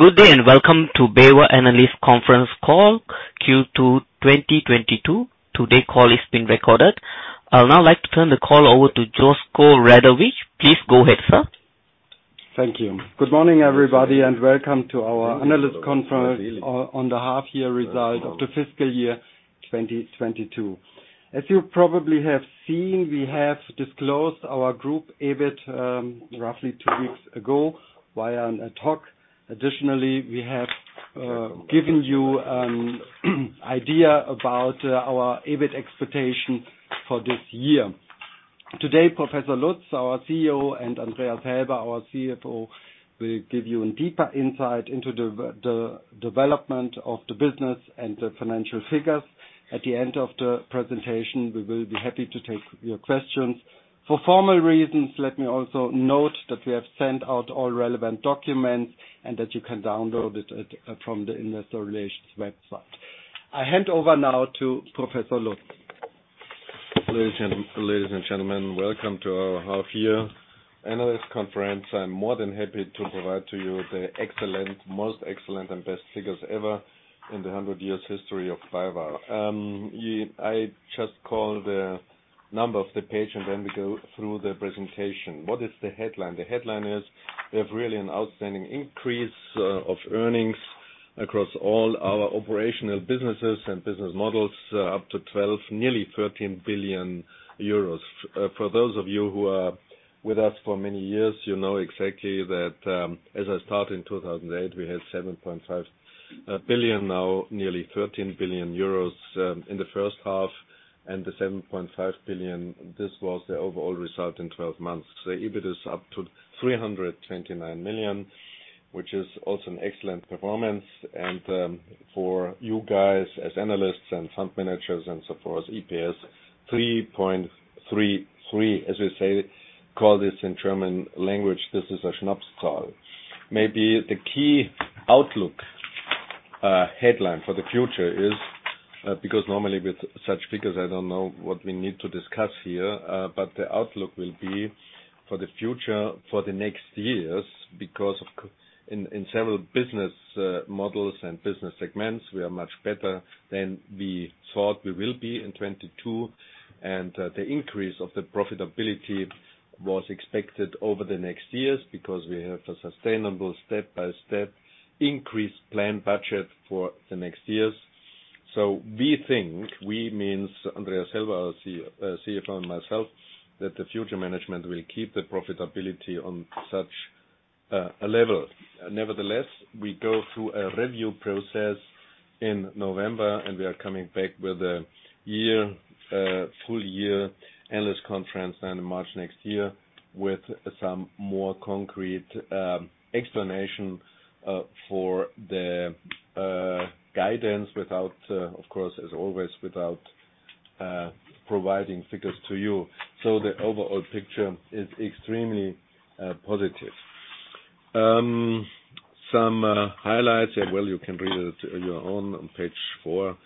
Good day and welcome to BayWa Analyst Conference Call, Q2 2022. Today's call is being recorded. I'll now like to turn the call over to Josko Radeljic. Please go ahead, sir. Thank you. Good morning, everybody, and welcome to our analyst conference on the half year result of the fiscal year 2022. As you probably have seen, we have disclosed our group EBIT roughly two weeks ago via an ad hoc. Additionally, we have given you idea about our EBIT expectation for this year. Today, Professor Lutz, our CEO, and Andreas Helber, our CFO, will give you a deeper insight into the development of the business and the financial figures. At the end of the presentation, we will be happy to take your questions. For formal reasons, let me also note that we have sent out all relevant documents and that you can download it from the investor relations website. I hand over now to Professor Lutz. Ladies and gentlemen, welcome to our half year analyst conference. I'm more than happy to provide to you the excellent, most excellent and best figures ever in the 100 years history of BayWa. I just call the number of the page, and then we go through the presentation. What is the headline? The headline is we have really an outstanding increase of earnings across all our operational businesses and business models, up to 12, nearly 13 billion euros. For those of you who are with us for many years, you know exactly that, as I start in 2008, we had 7.5 billion EUR, now nearly 13 billion euros in the first half and the 7.5 billion EUR, this was the overall result in 12 months. The EBIT is up to 329 million, which is also an excellent performance. For you guys, as analysts and fund managers and so forth, EPS 3.33, as we say, call this in German language, this is a Schnapszahl. Maybe the key outlook, headline for the future is, because normally with such figures, I don't know what we need to discuss here, but the outlook will be for the future, for the next years, because in several business models and business segments, we are much better than we thought we will be in 2022. The increase of the profitability was expected over the next years because we have a sustainable step-by-step increased plan budget for the next years. We think, I mean Andreas Helber, our CFO, and myself, that the future management will keep the profitability on such a level. Nevertheless, we go through a review process in November, and we are coming back with a full year analyst conference then in March next year with some more concrete explanation for the guidance without, of course, as always, without providing figures to you. The overall picture is extremely positive. Some highlights, and well, you can read it on your own on page four.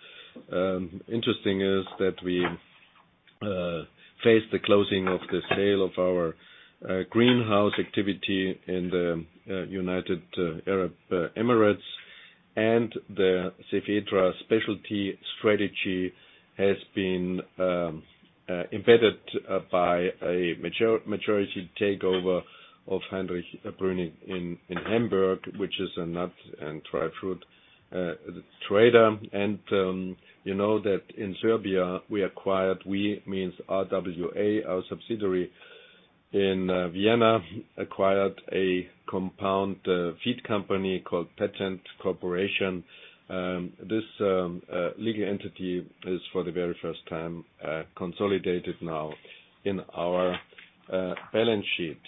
Interesting is that we face the closing of the sale of our greenhouse activity in the United Arab Emirates. The Cefetra specialty strategy has been embedded by a majority takeover of Brüning-Holding GmbH in Hamburg, which is a nut and dried fruit trader. You know that in Serbia, we acquired, we means RWA, our subsidiary in Vienna, acquired a compound feed company called Patent Corporation. This legal entity is for the very first time consolidated now in our balance sheet.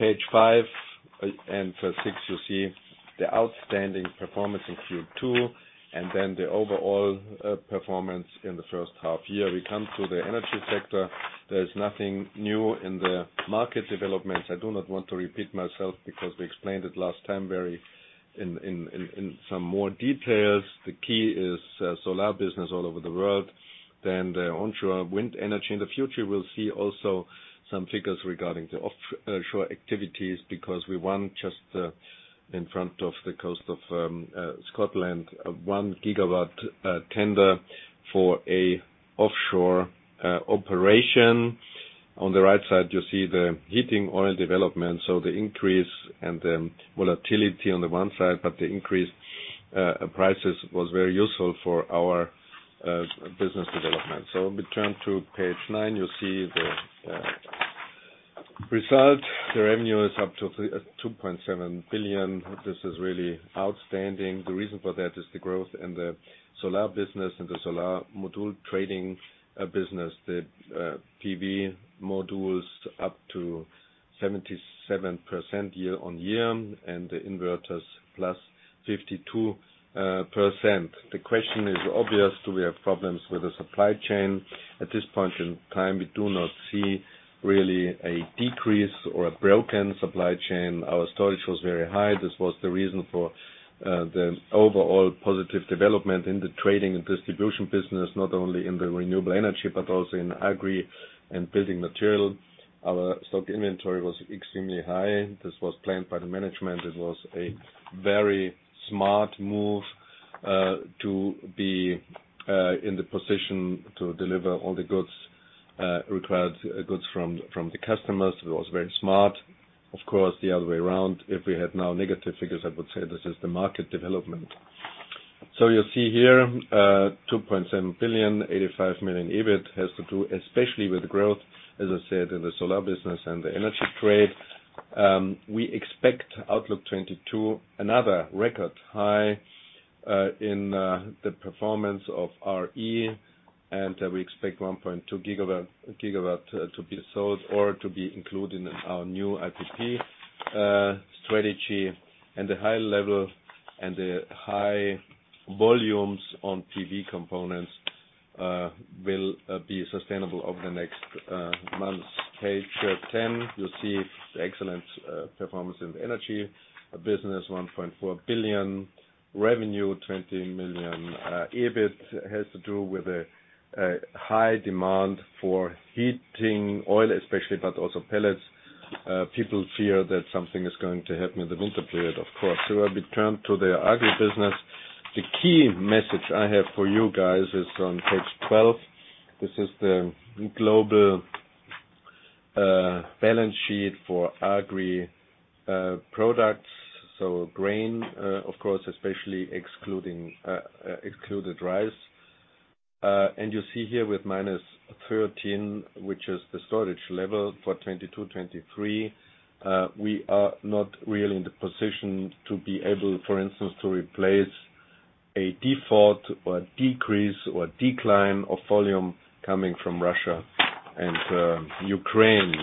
Page five and six, you see the outstanding performance in Q2, and then the overall performance in the first half year. We come to the energy sector. There is nothing new in the market developments. I do not want to repeat myself because we explained it last time very in some more details. The key is solar business all over the world, then the onshore wind energy. In the future, we'll see also some figures regarding the offshore activities because we won just in front of the coast of Scotland, 1 GW tender for an offshore operation. On the right side, you see the heating oil development, so the increase and the volatility on the one side, but the increased prices was very useful for our business development. We turn to page nine. You see the results. The revenue is up to 2.7 billion. This is really outstanding. The reason for that is the growth in the solar business and the solar module trading business. The PV modules up 77% year-on-year, and the inverters +52%. The question is obvious, do we have problems with the supply chain? At this point in time, we do not see really a decrease or a broken supply chain. Our storage was very high. This was the reason for the overall positive development in the trading and distribution business, not only in the renewable energy, but also in agri and building material. Our stock inventory was extremely high. This was planned by the management. It was a very smart move to be in the position to deliver all the goods required goods from the customers. It was very smart. Of course, the other way around, if we had now negative figures, I would say this is the market development. You'll see here 2.785 billion EBIT has to do especially with the growth, as I said, in the solar business and the energy trade. We expect Outlook 2022, another record high, in the performance of r.e., and we expect 1.2 gigawatt to be sold or to be included in our new IPP strategy. The high level and the high volumes on PV components will be sustainable over the next months. Page 10, you see the excellent performance in energy business, 1.4 billion revenue, 20 million EBIT has to do with the high demand for heating oil especially, but also pellets. People fear that something is going to happen in the winter period, of course. I return to the agri business. The key message I have for you guys is on page 12. This is the global balance sheet for agri products. Grain, of course, especially excluding rice. You see here with -13, which is the storage level for 2022, 2023, we are not really in the position to be able, for instance, to replace a default or a decrease or a decline of volume coming from Russia and Ukraine.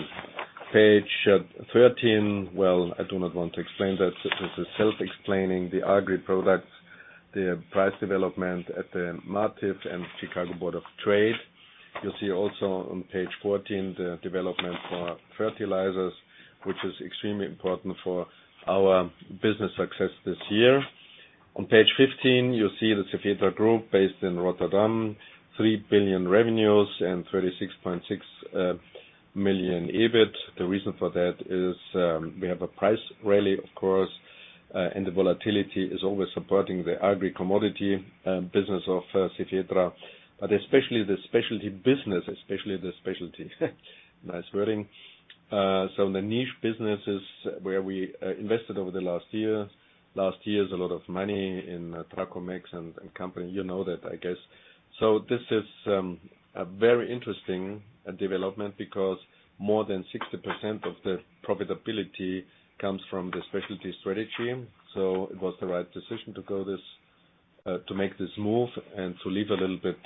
Page 13. Well, I do not want to explain that. This is self-explaining, the agri products, the price development at the MATIF and Chicago Board of Trade. You'll see also on page 14 the development for fertilizers, which is extremely important for our business success this year. On page 15, you see the Cefetra Group based in Rotterdam, 3 billion revenues and 36.6 million EBIT. The reason for that is, we have a price rally, of course, and the volatility is always supporting the agri commodity business of Cefetra. Especially the specialty business, especially the specialty niche wording. So the niche businesses where we invested over the last years a lot of money in Tracomex and company, you know that, I guess. This is a very interesting development because more than 60% of the profitability comes from the specialty strategy. It was the right decision to go this to make this move and to leave a little bit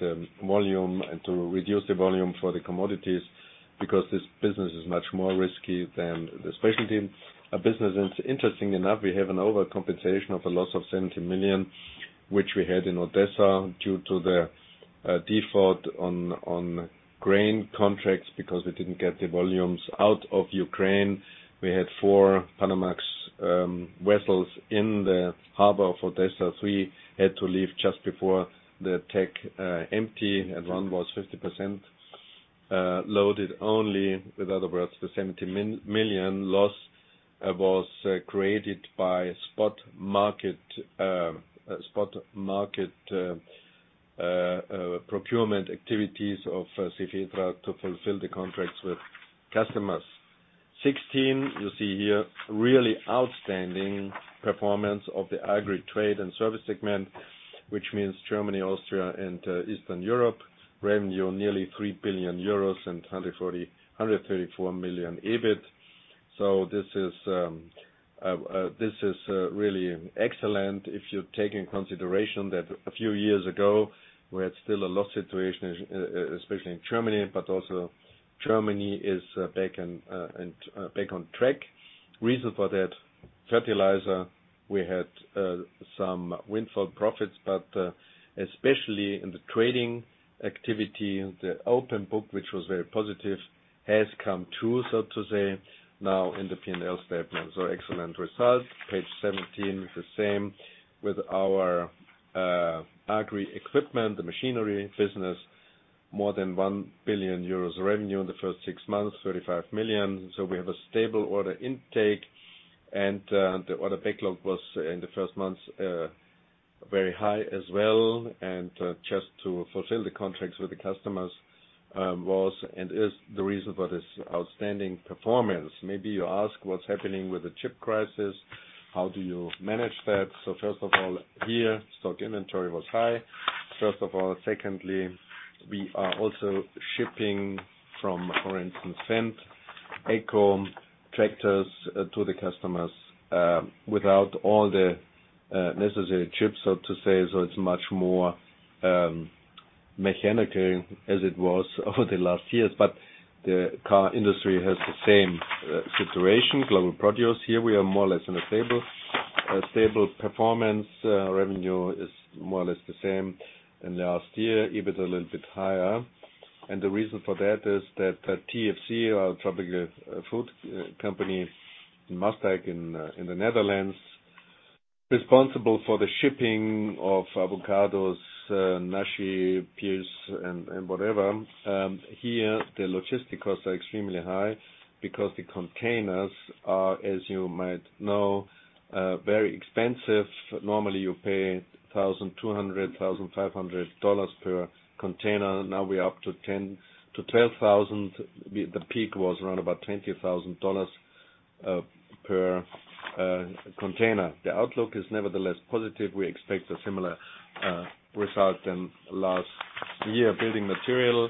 volume and to reduce the volume for the commodities because this business is much more risky than the specialty business. Interestingly enough, we have an overcompensation of a loss of 70 million, which we had in Odessa due to the default on grain contracts because we didn't get the volumes out of Ukraine. We had four Panamax vessels in the harbor of Odessa. Three had to leave just before the attack, empty, and one was 50% loaded only. In other words, the 70 million loss was created by spot market procurement activities of Cefetra to fulfill the contracts with customers. Sixteen, you see here, really outstanding performance of the agri trade and service segment, which means Germany, Austria, and Eastern Europe. Revenue nearly 3 billion euros and 134 million EBIT. This is really excellent if you take in consideration that a few years ago, we had still a loss situation especially in Germany, but also Germany is back on track. Reason for that, fertilizer, we had some windfall profits, but especially in the trading activity, the open book, which was very positive, has come true, so to say, now in the P&L statement. Excellent results. Page 17, the same with our agri equipment, the machinery business, more than 1 billion euros revenue in the first six months, 35 million. We have a stable order intake. The order backlog was in the first months very high as well. Just to fulfill the contracts with the customers was and is the reason for this outstanding performance. Maybe you ask what's happening with the chip crisis. How do you manage that? First of all, here, stock inventory was high. First of all. Secondly, we are also shipping from, for instance, Fendt, AGCO tractors, to the customers, without all the necessary chips, so to say. It's much more mechanical as it was over the last years. The car industry has the same situation. Global Produce here, we are more or less in a stable performance. Revenue is more or less the same in the last year. EBIT a little bit higher. The reason for that is that TFC, our tropical fruit company in Maassluis in the Netherlands, responsible for the shipping of avocados, nashi, pears, and whatever. Here, the logistic costs are extremely high because the containers are, as you might know, very expensive. Normally, you pay $1,200-$1,500 per container. Now we're up to $10,000-$12,000. The peak was around about $20,000 per container. The outlook is nevertheless positive. We expect a similar result than last year. Building material.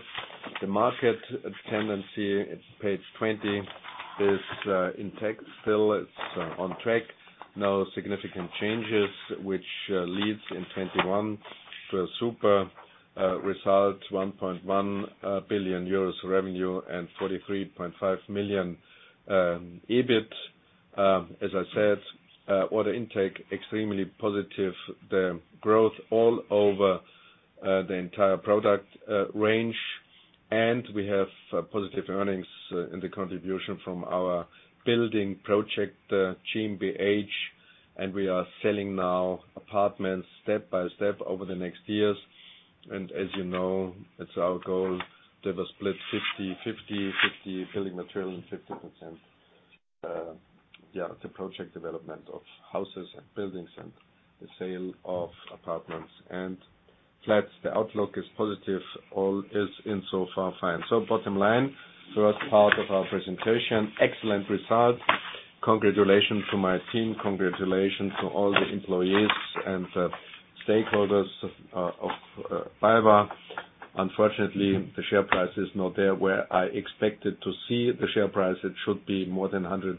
The market tendency, it's page 20, is intact. Still, it's on track. No significant changes which leads in 2021 to a super result, 1.1 billion euros revenue and 43.5 million EBIT. As I said, order intake extremely positive. The growth all over the entire product range. We have positive earnings in the contribution from our building project GmbH, and we are selling now apartments step by step over the next years. As you know, it's our goal to have a split 50/50 building material and 50% the project development of houses and buildings and the sale of apartments and flats. The outlook is positive. All is in so far fine. Bottom line, first part of our presentation, excellent results. Congratulations to my team. Congratulations to all the employees and the stakeholders of BayWa. Unfortunately, the share price is not there where I expected to see the share price. It should be more than 100.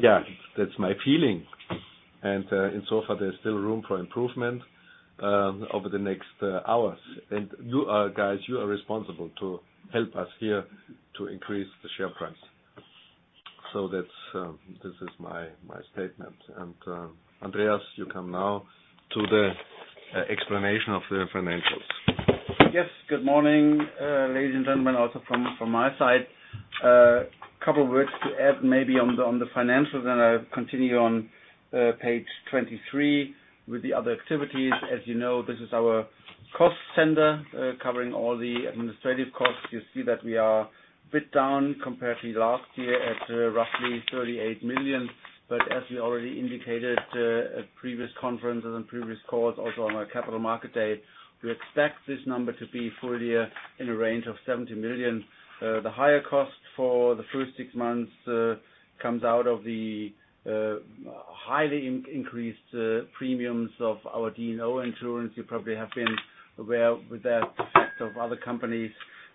Yeah, that's my feeling. In so far, there's still room for improvement over the next hours. You guys are responsible to help us here to increase the share price. That's this is my statement. Andreas, you come now to the explanation of the financials. Good morning, ladies and gentlemen, also from my side. Couple words to add maybe on the financials, then I'll continue on page 23 with the other activities. As you know, this is our cost center covering all the administrative costs. You see that we are a bit down compared to last year at roughly 38 million. As we already indicated at previous conferences and previous calls, also on our capital market day, we expect this number to be full year in a range of 70 million. The higher cost for the first six months comes out of the highly increased premiums of our D&O insurance. You probably have been aware of that effect of other companies,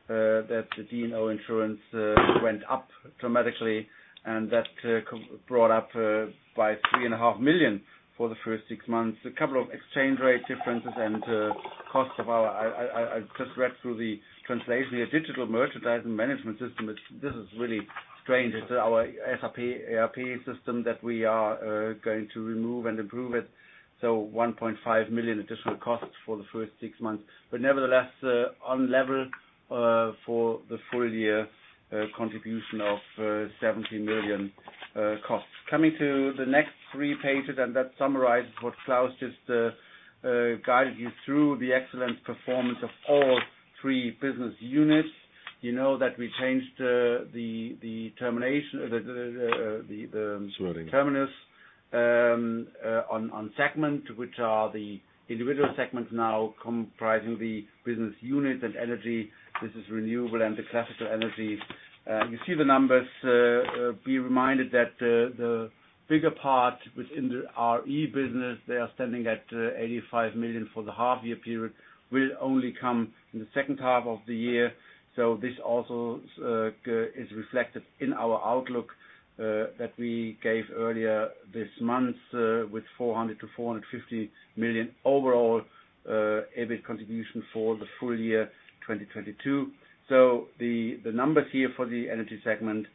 that the D&O insurance went up dramatically, and that brought up by 3.5 million for the first six months. A couple of exchange rate differences and costs of our. I just read through the translation here. Digital merchandising management system. This is really strange. It's our SAP ERP system that we are going to remove and improve it. So 1.5 million additional costs for the first six months. Nevertheless, on level, for the full year, contribution of 70 million costs. Coming to the next three pages, and that summarizes what Klaus just guided you through the excellent performance of all three business units. You know that we changed the terminology on the segments, which are the individual segments now comprising the business unit Energy. This is renewable and the classical energy. You see the numbers. Be reminded that the bigger part within the r.e. business, they are standing at 85 million for the half-year period, will only come in the second half of the year. This also is reflected in our outlook that we gave earlier this month with 400 million-450 million overall EBIT contribution for the full year 2022. The numbers here for the energy segment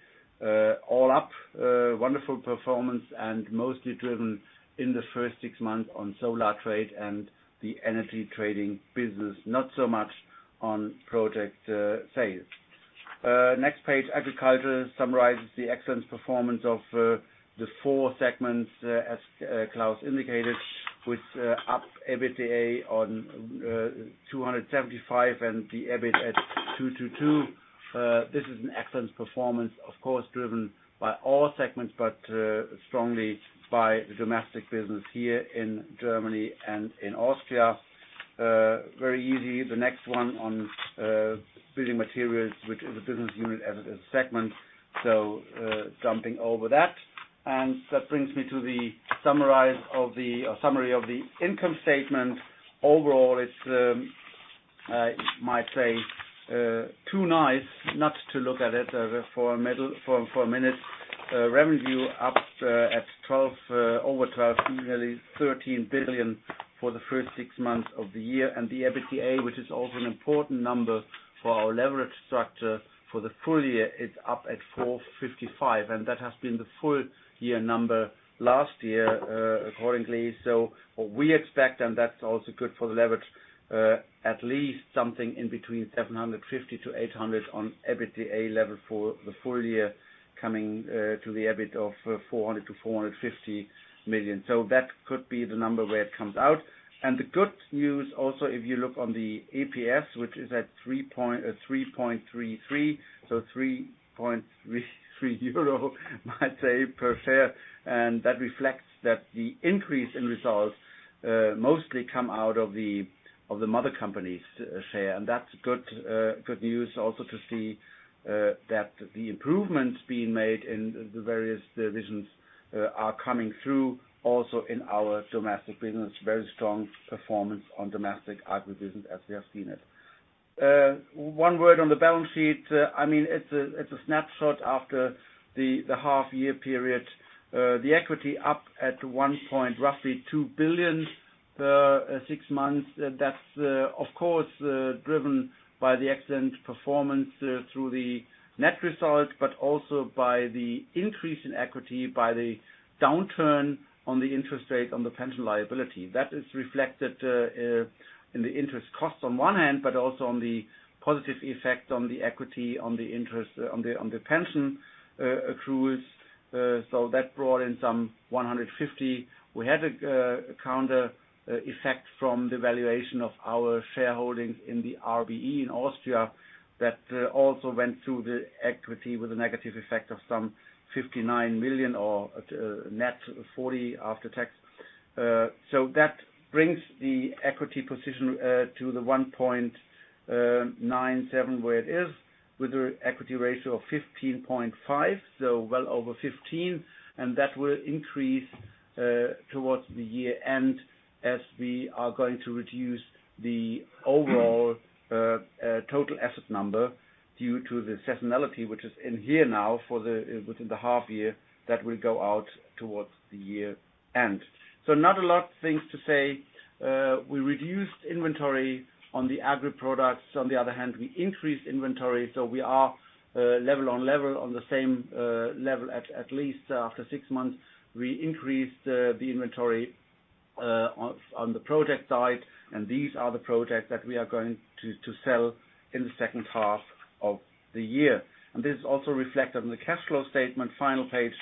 all up wonderful performance and mostly driven in the first six months on solar trade and the energy trading business, not so much on project sales. Next page, agriculture summarizes the excellent performance of the four segments as Klaus indicated, with up EBITDA on 275 and the EBIT at 222. This is an excellent performance, of course, driven by all segments, but strongly by the domestic business here in Germany and in Austria. Very easy. The next one on building materials, which is a business unit as it is segment. Jumping over that. That brings me to the summary of the income statement. Overall, it's, I might say, too nice not to look at it for a minute. Revenue up at 12, over 12, nearly 13 billion for the first six months of the year. The EBITDA, which is also an important number for our leverage structure for the full year, is up at 455, and that has been the full year number last year, accordingly. What we expect, and that's also good for the leverage, at least something in between 750-800 on EBITDA level for the full year coming, to the EBIT of 400-450 million. That could be the number where it comes out. The good news also, if you look on the EPS which is at 3.33 euro per share. That reflects that the increase in results mostly come out of the mother company's share. That's good news also to see that the improvements being made in the various divisions are coming through also in our domestic business. Very strong performance on domestic agri business as we have seen it. I mean, it's a snapshot after the half year period. The equity up at 1.2 billion over six months. That's of course driven by the excellent performance through the net results, but also by the increase in equity by the downturn on the interest rate on the pension liability. That is reflected in the interest cost on one hand, but also on the positive effect on the equity, on the interest, on the pension accruals. That brought in some 150 million. We had a counter effect from the valuation of our shareholdings in the RWA in Austria that also went through the equity with a negative effect of some 59 million or net 40 million after tax. That brings the equity position to 1.97 billion, where it is with the equity ratio of 15.5%, so well over 15%. That will increase towards the year end as we are going to reduce the overall total asset number due to the seasonality which is in here now within the half year that will go out towards the year end. Not a lot of things to say. We reduced inventory on the agri-products. On the other hand, we increased inventory, so we are level on level on the same level at least after six months. We increased the inventory on the project side, and these are the projects that we are going to sell in the second half of the year. This is also reflected in the cash flow statement, final page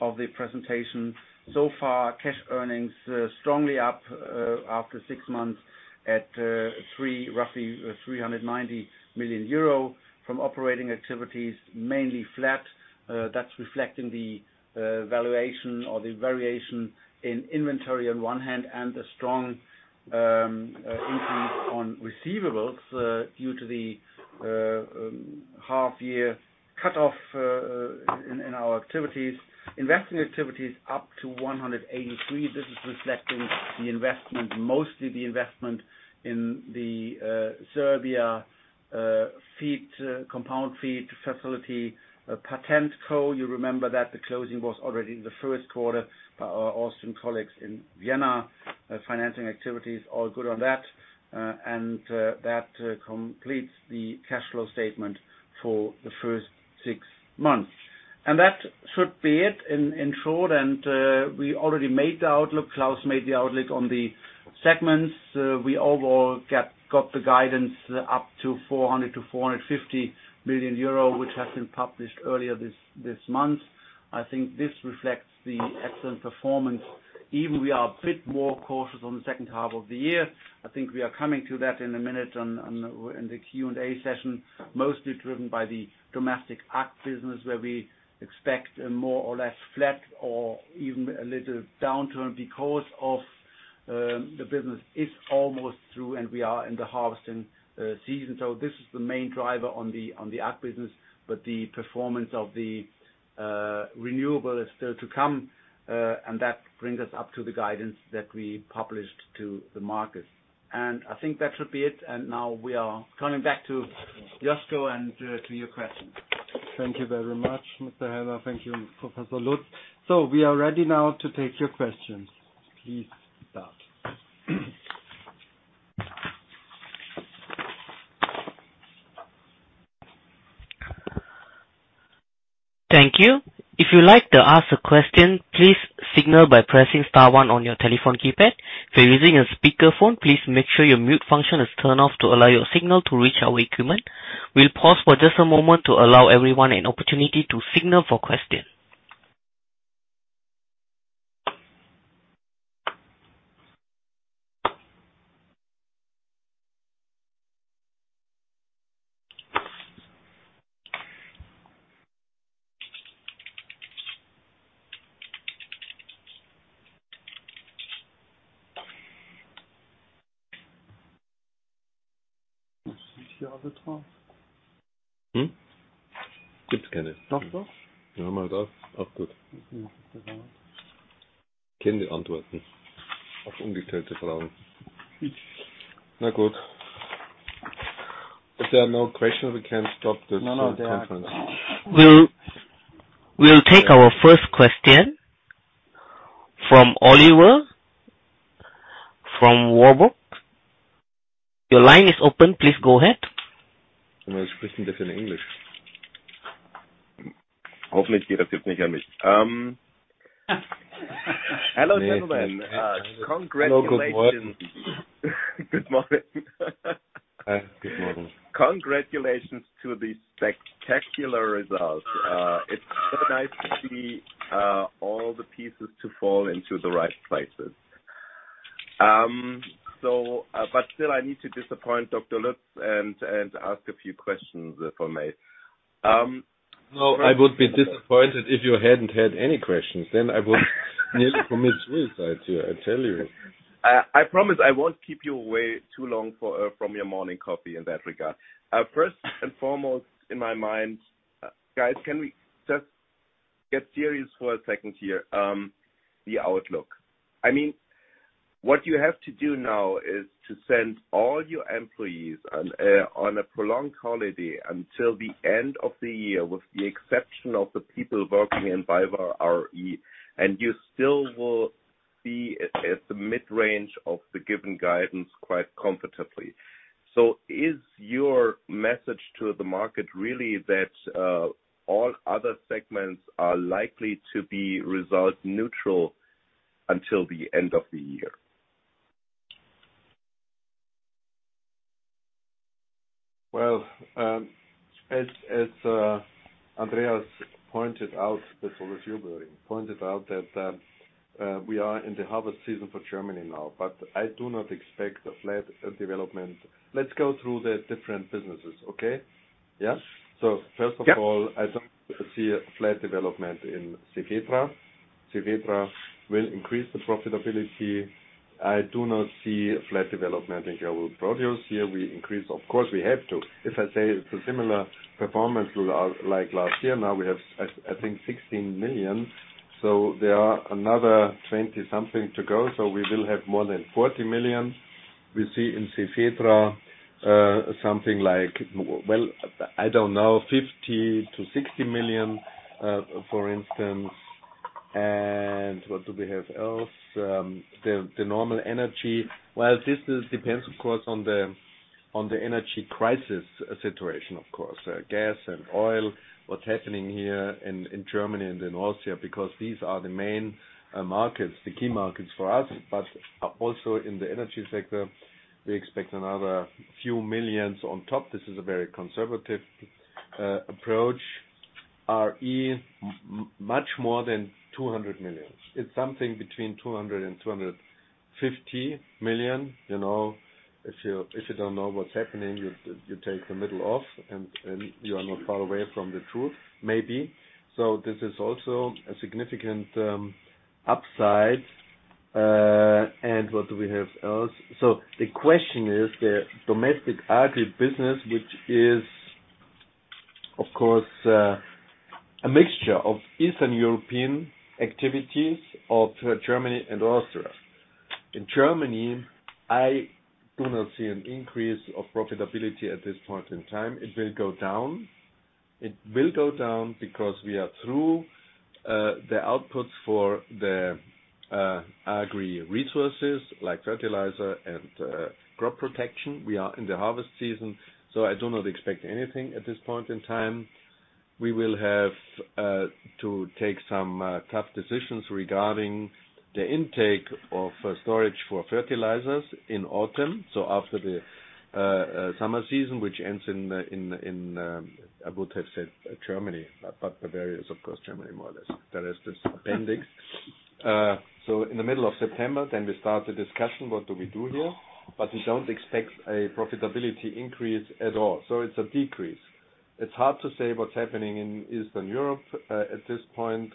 of the presentation. So far, cash earnings strongly up after six months at roughly 390 million euro. From operating activities, mainly flat. That's reflecting the valuation or the variation in inventory on one hand, and a strong increase on receivables due to the half year cutoff in our activities. Investing activities up to 183. This is reflecting the investment, mostly the investment in the Serbia feed compound feed facility, Patent Co. You remember that the closing was already in the first quarter by our Austrian colleagues in Vienna. Financing activities, all good on that. That completes the cash flow statement for the first six months. That should be it in short. We already made the outlook. Klaus made the outlook on the segments. We overall got the guidance up to 400 million-450 million euro, which has been published earlier this month. I think this reflects the excellent performance, even we are a bit more cautious on the second half of the year. I think we are coming to that in a minute in the Q&A session, mostly driven by the domestic ag business, where we expect a more or less flat or even a little downturn because of the business is almost through and we are in the harvesting season. This is the main driver on the ag business, but the performance of the renewable is still to come. That brings us up to the guidance that we published to the market. I think that should be it. Now we are coming back to Josko and, to your questions. Thank you very much, Mr. Helber. Thank you, Professor Lutz. We are ready now to take your questions. Please start. Thank you. If you'd like to ask a question, please signal by pressing star one on your telephone keypad. If you're using a speakerphone, please make sure your mute function is turned off to allow your signal to reach our equipment. We'll pause for just a moment to allow everyone an opportunity to signal for question. Hm? If there are no questions, we can stop this conference. No, no, there are. We'll take our first question from Oliver from Warburg. Your line is open. Please go ahead. Hello, gentlemen. Congratulations. Hello. Good morning. Good morning. Hi. Good morning. Congratulations to the spectacular results. It's so nice to see all the pieces to fall into the right places. Still I need to disappoint Dr. Lutz and ask a few questions for me. No, I would be disappointed if you hadn't had any questions. I would nearly commit suicide here, I tell you. I promise I won't keep you away too long from your morning coffee in that regard. First and foremost in my mind, guys, can we just get serious for a second here. The outlook. I mean, what you have to do now is to send all your employees on a prolonged holiday until the end of the year, with the exception of the people working in BayWa r.e., and you still will be at the mid-range of the given guidance quite comfortably. Is your message to the market really that all other segments are likely to be result neutral until the end of the year? Well, as Andreas pointed out that we are in the harvest season for Germany now, but I do not expect a flat development. Let's go through the different businesses, okay? Yeah. Yeah. First of all, I don't see a flat development in Cefetra. Cefetra will increase the profitability. I do not see a flat development in BayWa Global Produce. Here we increase. Of course we have to. If I say it's a similar performance to like last year, now we have I think 16 million. So there are another twenty something to go. So we will have more than 40 million. We see in Cefetra something like. Well, I don't know, 50 million-60 million, for instance. And what do we have else? The normal energy. Well, this depends of course on the energy crisis situation of course. Gas and oil, what's happening here in Germany and in Austria, because these are the main markets, the key markets for us. Also in the energy sector, we expect another few million EUR on top. This is a very conservative approach. r.e. much more than 200 million. It's something between 200 million and 250 million. You know, if you don't know what's happening, you take the middle off and you are not far away from the truth, maybe. This is also a significant upside. What do we have else? The question is the domestic agri business, which is of course a mixture of Eastern European activities of Germany and Austria. In Germany, I do not see an increase of profitability at this point in time. It will go down. It will go down because we are through the outputs for the agri resources like fertilizer and crop protection. We are in the harvest season, so I do not expect anything at this point in time. We will have to take some tough decisions regarding the intake of storage for fertilizers in autumn. After the summer season, which ends in I would have said Germany, but Bavaria is of course Germany more or less. The rest is appendix. In the middle of September then we start the discussion, what do we do here? We don't expect a profitability increase at all. It's a decrease. It's hard to say what's happening in Eastern Europe at this point.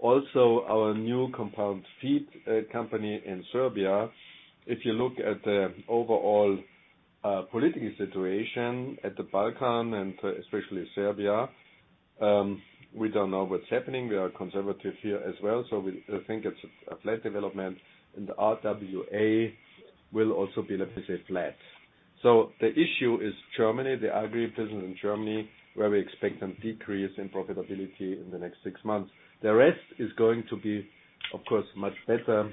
Also our new compound feed company in Serbia. If you look at the overall political situation at the Balkans and especially Serbia, we don't know what's happening. We are conservative here as well. We think it's a flat development. The RWA will also be, let me say, flat. The issue is Germany, the agri business in Germany, where we expect a decrease in profitability in the next six months. The rest is going to be, of course, much better.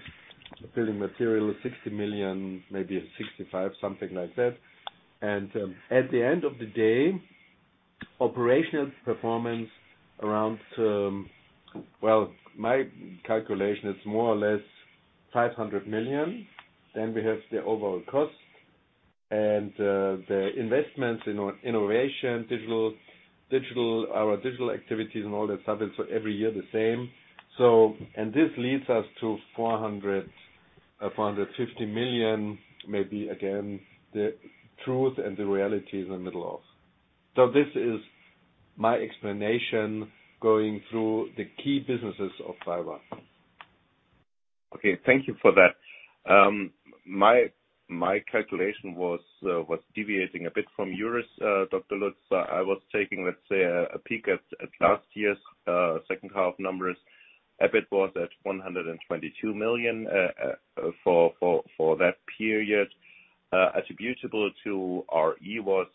Building material, 60 million, maybe 65 million, something like that. At the end of the day, operational performance around, well, my calculation is more or less 500 million. Then we have the overall costs and the investments in innovation, digital, our digital activities and all that stuff. It's every year the same. This leads us to 400 million-450 million. Maybe again, the truth and the reality is in the middle of. This is my explanation going through the key businesses of BayWa. Okay. Thank you for that. My calculation was deviating a bit from yours, Dr. Lutz. I was taking, let's say, a peek at last year's second half numbers. EBIT was at 122 million for that period, attributable to our r.e. was,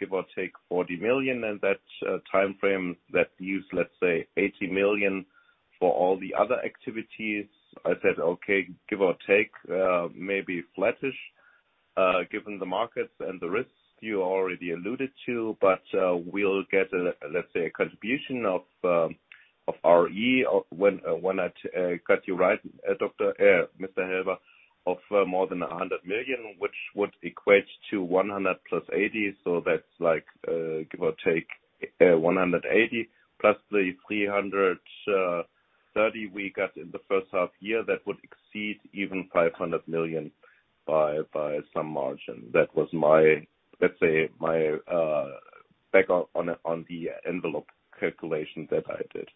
give or take, 40 million in that timeframe that used, let's say, 80 million for all the other activities. I said, okay, give or take, maybe flattish, given the markets and the risks you already alluded to. We'll get a, let's say, a contribution of r.e. of—when I got you right, doctor—Mr. Helber, of more than 100 million, which would equate to 100 plus 80. That's like, give or take, 180 plus the 330 we got in the first half year. That would exceed even 500 million by some margin. That was my, let's say, back-of-the-envelope calculation that I did.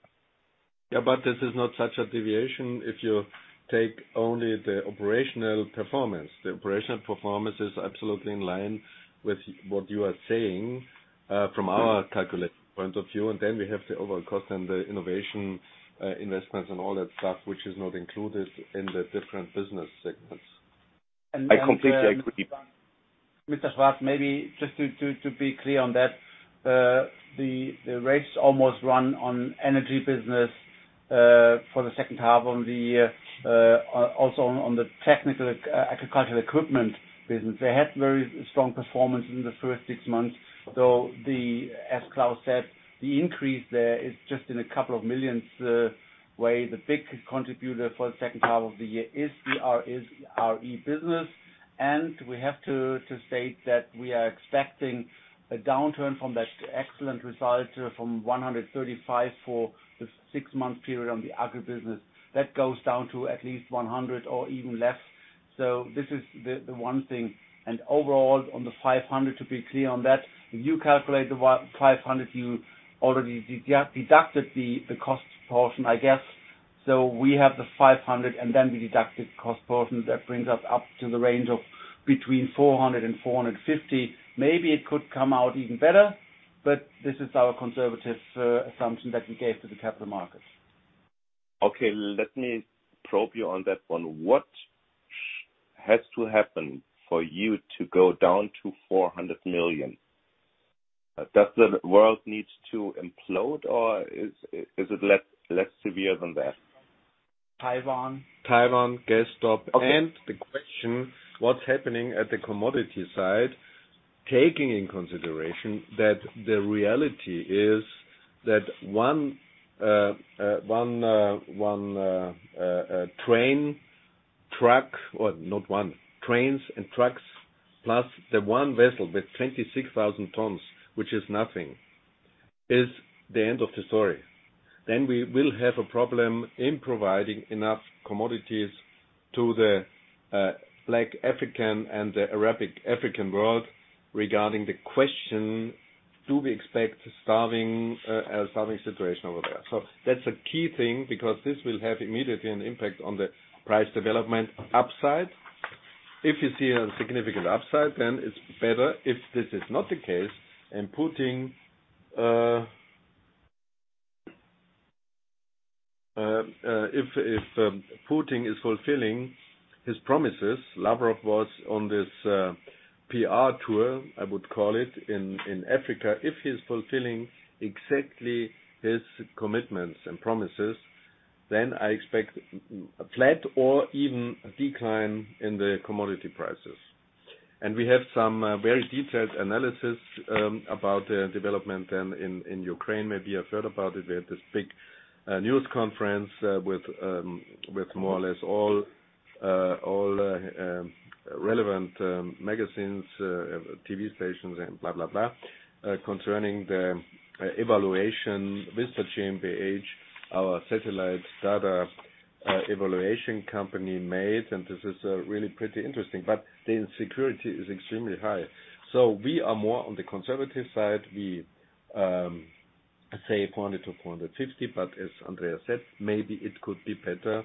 Yeah, this is not such a deviation if you take only the operational performance. The operational performance is absolutely in line with what you are saying, from our calculation point of view. Then we have the overall cost and the innovation, investments and all that stuff which is not included in the different business segments. I completely agree. Mr. Schwarz, maybe just to be clear on that, the rates almost run on energy business for the second half of the year. Also on the technical agricultural equipment business. They had very strong performance in the first six months, though, as Klaus said, the increase there is just in a couple of millions anyway. The big contributor for the second half of the year is the r.e. business. We have to state that we are expecting a downturn from that excellent result of 135 million for the six-month period on the agri business. That goes down to at least 100 million or even less. This is the one thing. Overall, on the 500, to be clear on that, if you calculate the 500, you already deducted the cost portion, I guess. We have the 500, and then we deducted cost portion. That brings us up to the range of between 400 and 450. Maybe it could come out even better, but this is our conservative assumption that we gave to the capital markets. Okay, let me probe you on that one. What has to happen for you to go down to 400 million? Does the world needs to implode, or is it less severe than that? Taiwan. Taiwan, gas stop. Okay. The question, what's happening at the commodity side, taking in consideration that the reality is that one train, truck or not one, trains and trucks, plus the one vessel with 26,000 tons, which is nothing, is the end of the story. Then we will have a problem in providing enough commodities to the like African and the Arabic African world regarding the question, do we expect starving situation over there? That's a key thing because this will have immediately an impact on the price development upside. If you see a significant upside, then it's better. If this is not the case and Putin if Putin is fulfilling his promises, Lavrov was on this PR tour, I would call it, in Africa. If he's fulfilling exactly his commitments and promises, then I expect flat or even a decline in the commodity prices. We have some very detailed analysis about the development then in Ukraine. Maybe you have heard about it. We had this big news conference with more or less all relevant magazines, TV stations and blah, blah, concerning the evaluation with the Vista our satellite data evaluation company made. This is really pretty interesting, but the uncertainty is extremely high. We are more on the conservative side. We say 400-450, but as Andreas said, maybe it could be better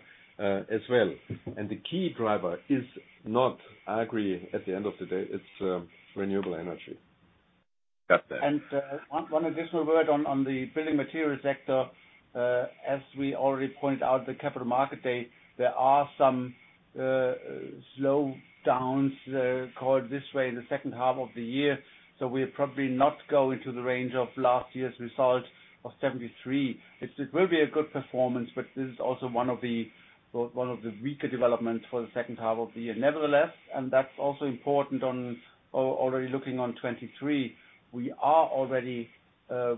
as well. The key driver is not agri at the end of the day, it's renewable energy. Got that. One additional word on the building materials sector. As we already pointed out, the Capital Markets Day, there are some slowdowns called this way in the second half of the year. We'll probably not go into the range of last year's result of 73. It will be a good performance, but this is also one of the weaker developments for the second half of the year. Nevertheless, that's also important already looking at 2023, we are already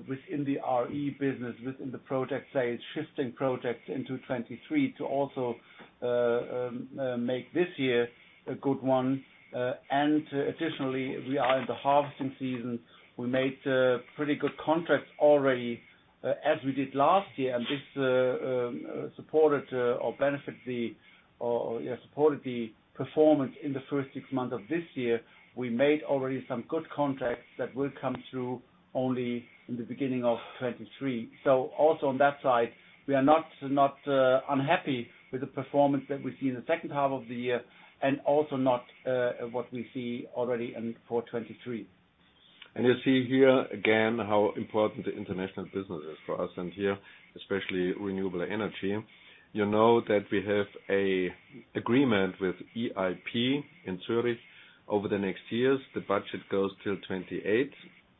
within the r.e. business, within the project stage, shifting projects into 2023 to also make this year a good one. Additionally, we are in the harvesting season. We made pretty good contracts already, as we did last year. This supported the performance in the first six months of this year. We made already some good contracts that will come through only in the beginning of 2023. Also on that side, we are not unhappy with the performance that we see in the second half of the year and also not what we see already for 2023. You see here again how important the international business is for us, and here, especially renewable energy. You know that we have a agreement with EIP in Zurich over the next years. The budget goes till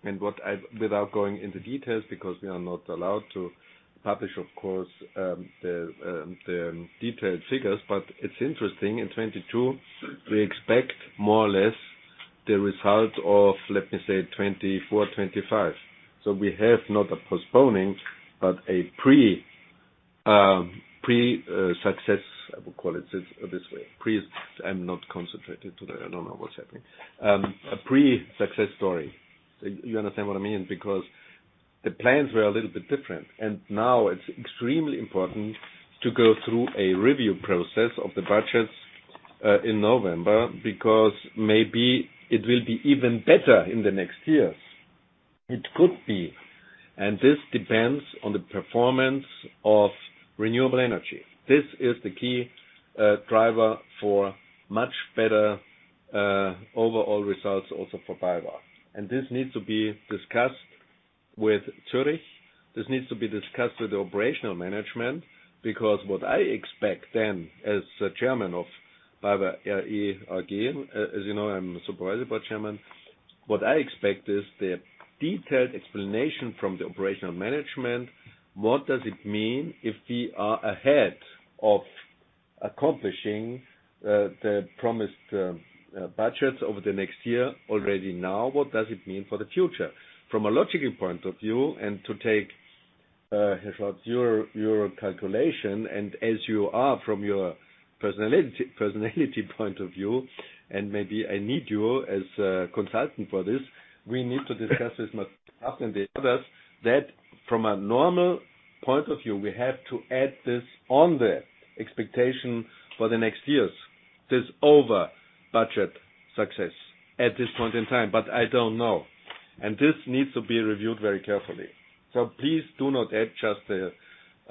2028. Without going into details because we are not allowed to publish, of course, the detailed figures. It's interesting, in 2022, we expect more or less the result of, let me say, 2024, 2025. We have not a postponing, but a pre-success, I would call it this way. I'm not concentrated today. I don't know what's happening. A pre-success story. You understand what I mean? Because the plans were a little bit different, and now it's extremely important to go through a review process of the budgets in November, because maybe it will be even better in the next years. It could be. This depends on the performance of renewable energy. This is the key driver for much better overall results also for BayWa. This needs to be discussed with Zurich. This needs to be discussed with the operational management, because what I expect then as chairman of BayWa r.e. again, as you know, I'm supervisory board chairman. What I expect is the detailed explanation from the operational management. What does it mean if we are ahead of accomplishing the promised budget over the next year already now, what does it mean for the future? From a logical point of view, to take Heribert, your calculation and as you are from your personality point of view, and maybe I need you as a consultant for this, we need to discuss this with Norbert and the others, that from a normal point of view, we have to add this on the expectation for the next years, this over budget success at this point in time. I don't know. This needs to be reviewed very carefully. Please do not add just the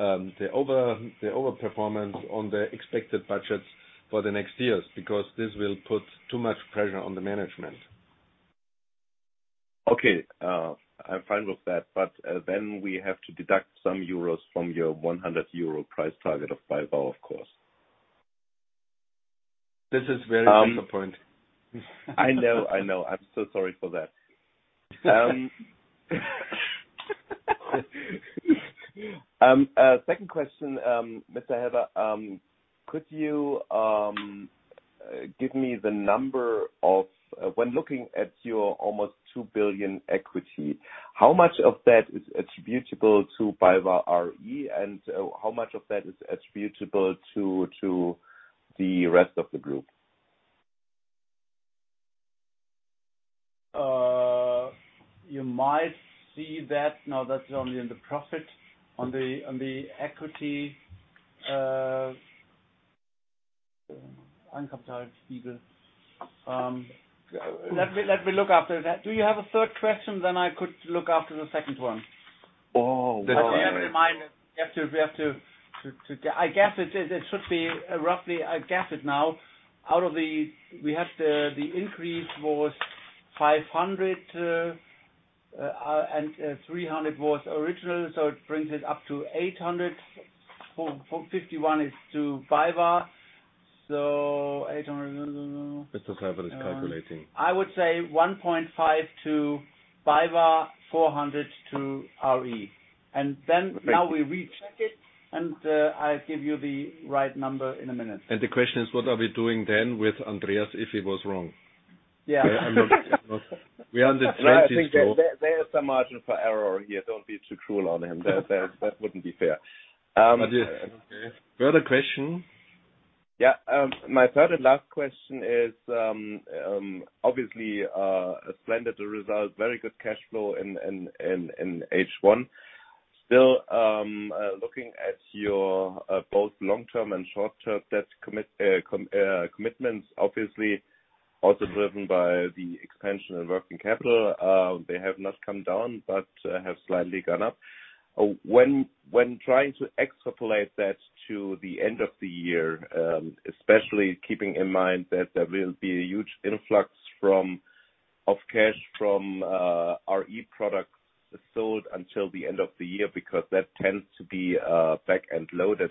over-performance on the expected budgets for the next years, because this will put too much pressure on the management. Okay. I'm fine with that. Then we have to deduct some euros from your 100 euro price target of BayWa, of course. This is very good point. I know, I know. I'm so sorry for that. Second question, Mr. Helber, could you give me the number of, when looking at your almost 2 billion equity, how much of that is attributable to BayWa r.e. and how much of that is attributable to the rest of the group? You might see that. Now, that's only in the profit on the equity. Let me look after that. Do you have a third question, then I could look after the second one. Oh, well. Keep in mind that we have to. I guess it should be roughly, I guess it now out of the. We have the increase was 500 and 300 was original, so it brings it up to 800. 51 is to BayWa. 800 Mr. Helber is calculating. I would say 1.5 to BayWa, 400 to r.e.. Then now we recheck it, and I'll give you the right number in a minute. The question is, what are we doing then with Andreas if he was wrong? Yeah. We are on the 20, so. I think there is some margin for error here. Don't be too cruel on him. That wouldn't be fair. Yeah. Okay. Further question. Yeah. My third and last question is, obviously, a splendid result, very good cash flow in H1. Still, looking at your both long-term and short-term debt commitments, obviously also driven by the expansion in working capital, they have not come down, but have slightly gone up. When trying to extrapolate that to the end of the year, especially keeping in mind that there will be a huge influx of cash from r.e. products sold until the end of the year because that tends to be back-end loaded.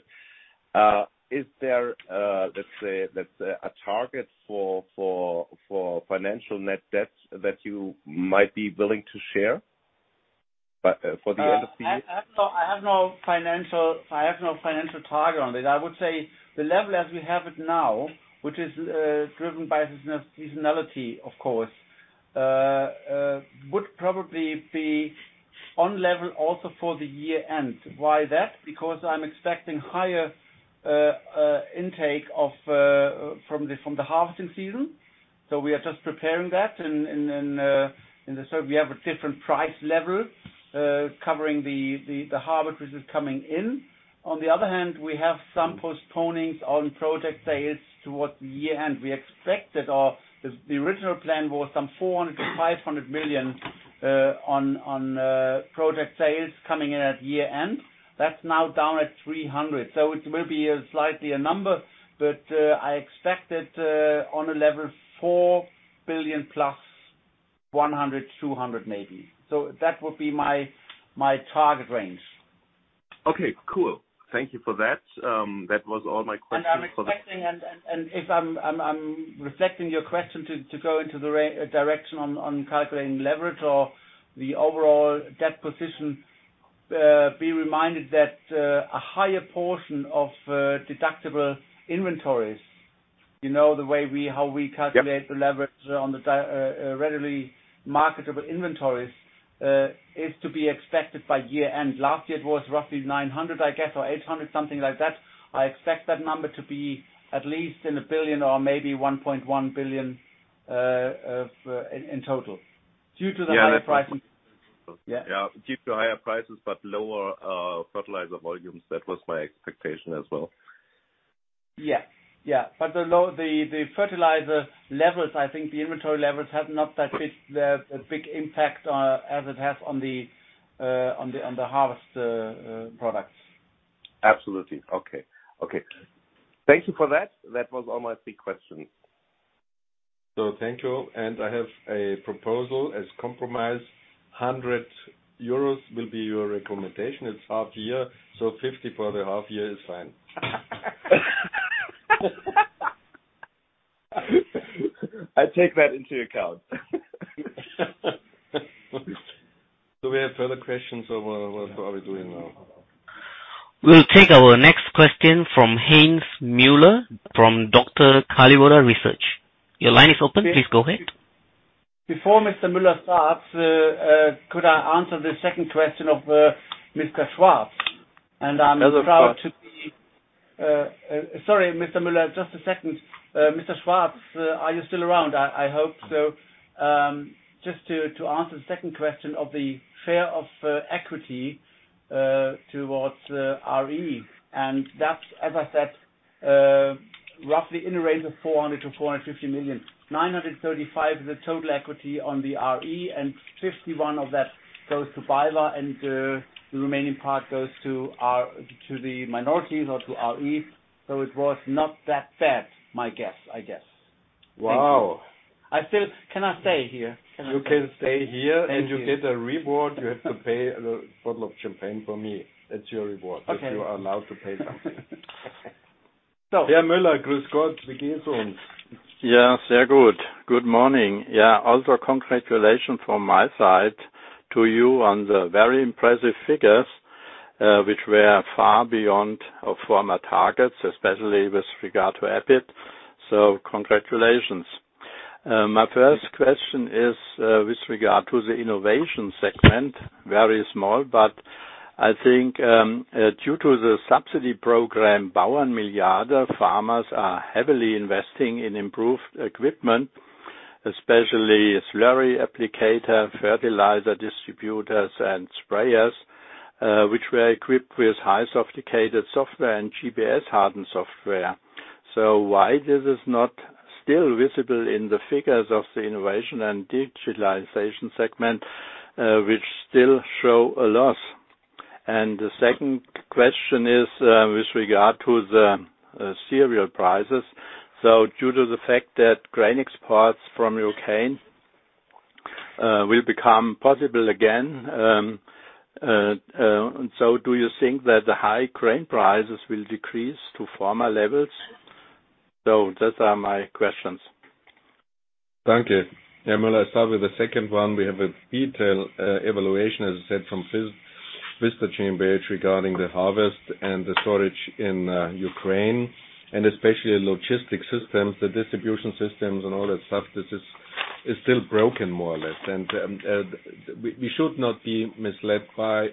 Is there, let's say, a target for financial net debt that you might be willing to share for the end of the year? I have no financial target on it. I would say the level as we have it now, which is driven by seasonality, of course, would probably be on level also for the year-end. Why that? Because I'm expecting higher intake from the harvesting season. We are just preparing that. We have a different price level covering the harvest which is coming in. On the other hand, we have some postponements on project sales towards the year-end. We expected the original plan was some 400 million-500 million on project sales coming in at year-end. That's now down at 300 million. It will be a slightly a number. I expect it on a level 4.1 billion-4.2 billion maybe. That would be my target range. Okay, cool. Thank you for that. That was all my questions. I'm expecting if I'm reflecting your question to go into the direction on calculating leverage or the overall debt position, be reminded that a higher portion of deductible inventories, you know, the way we how we calculate. Yep. The leverage on the readily marketable inventories is to be expected by year-end. Last year, it was roughly 900, I guess, or 800, something like that. I expect that number to be at least 1 billion or maybe 1.1 billion of in total due to the higher pricing. Yeah. Yeah. Yeah. Due to higher prices but lower fertilizer volumes. That was my expectation as well. The fertilizer levels, I think the inventory levels have not that big a big impact as it has on the harvest products. Absolutely. Okay. Thank you for that. That was all my three questions. Thank you. I have a proposal as compromise. 100 euros will be your recommendation. It's half year, so 50 for the half year is fine. I take that into account. Do we have further questions or what are we doing now? We'll take our next question from Heinz Müller from Dr. Kalliwoda Research. Your line is open. Please go ahead. Before Mr. Müller starts, could I answer the second question of Mr. Schwarz? Sorry, Mr. Müller, just a second. Mr. Schwarz, are you still around? I hope so. Just to answer the second question of the share of equity towards r.e.. That's, as I said, roughly in a range of 400 million-450 million. 935 million is the total equity on the r.e., and 51% of that goes to BayWa, and the remaining part goes to the minorities or to r.e.. It was not that bad, my guess. Wow. Can I stay here? You can stay here, and you get a reward. You have to pay a bottle of champagne for me. That's your reward. Okay. You are allowed to pay now. Yeah, Kalliwoda. Yeah. Good morning. Yeah. Congratulations from my side to you on the very impressive figures, which were far beyond our former targets, especially with regard to EBIT. Congratulations. My first question is, with regard to the innovation segment. Very small, but I think, due to the subsidy program, Bauernmilliarde, farmers are heavily investing in improved equipment, especially slurry applicator, fertilizer distributors, and sprayers, which were equipped with highly sophisticated software and GPS hardened software. Why this is not still visible in the figures of the innovation and digitalization segment, which still show a loss? The second question is, with regard to the cereal prices. Due to the fact that grain exports from Ukraine will become possible again, do you think that the high grain prices will decrease to former levels? Those are my questions. Thank you. Yeah, Müller, I start with the second one. We have a detailed evaluation, as I said, from Vista regarding the harvest and the storage in Ukraine, and especially logistic systems, the distribution systems and all that stuff. This is still broken more or less. We should not be misled by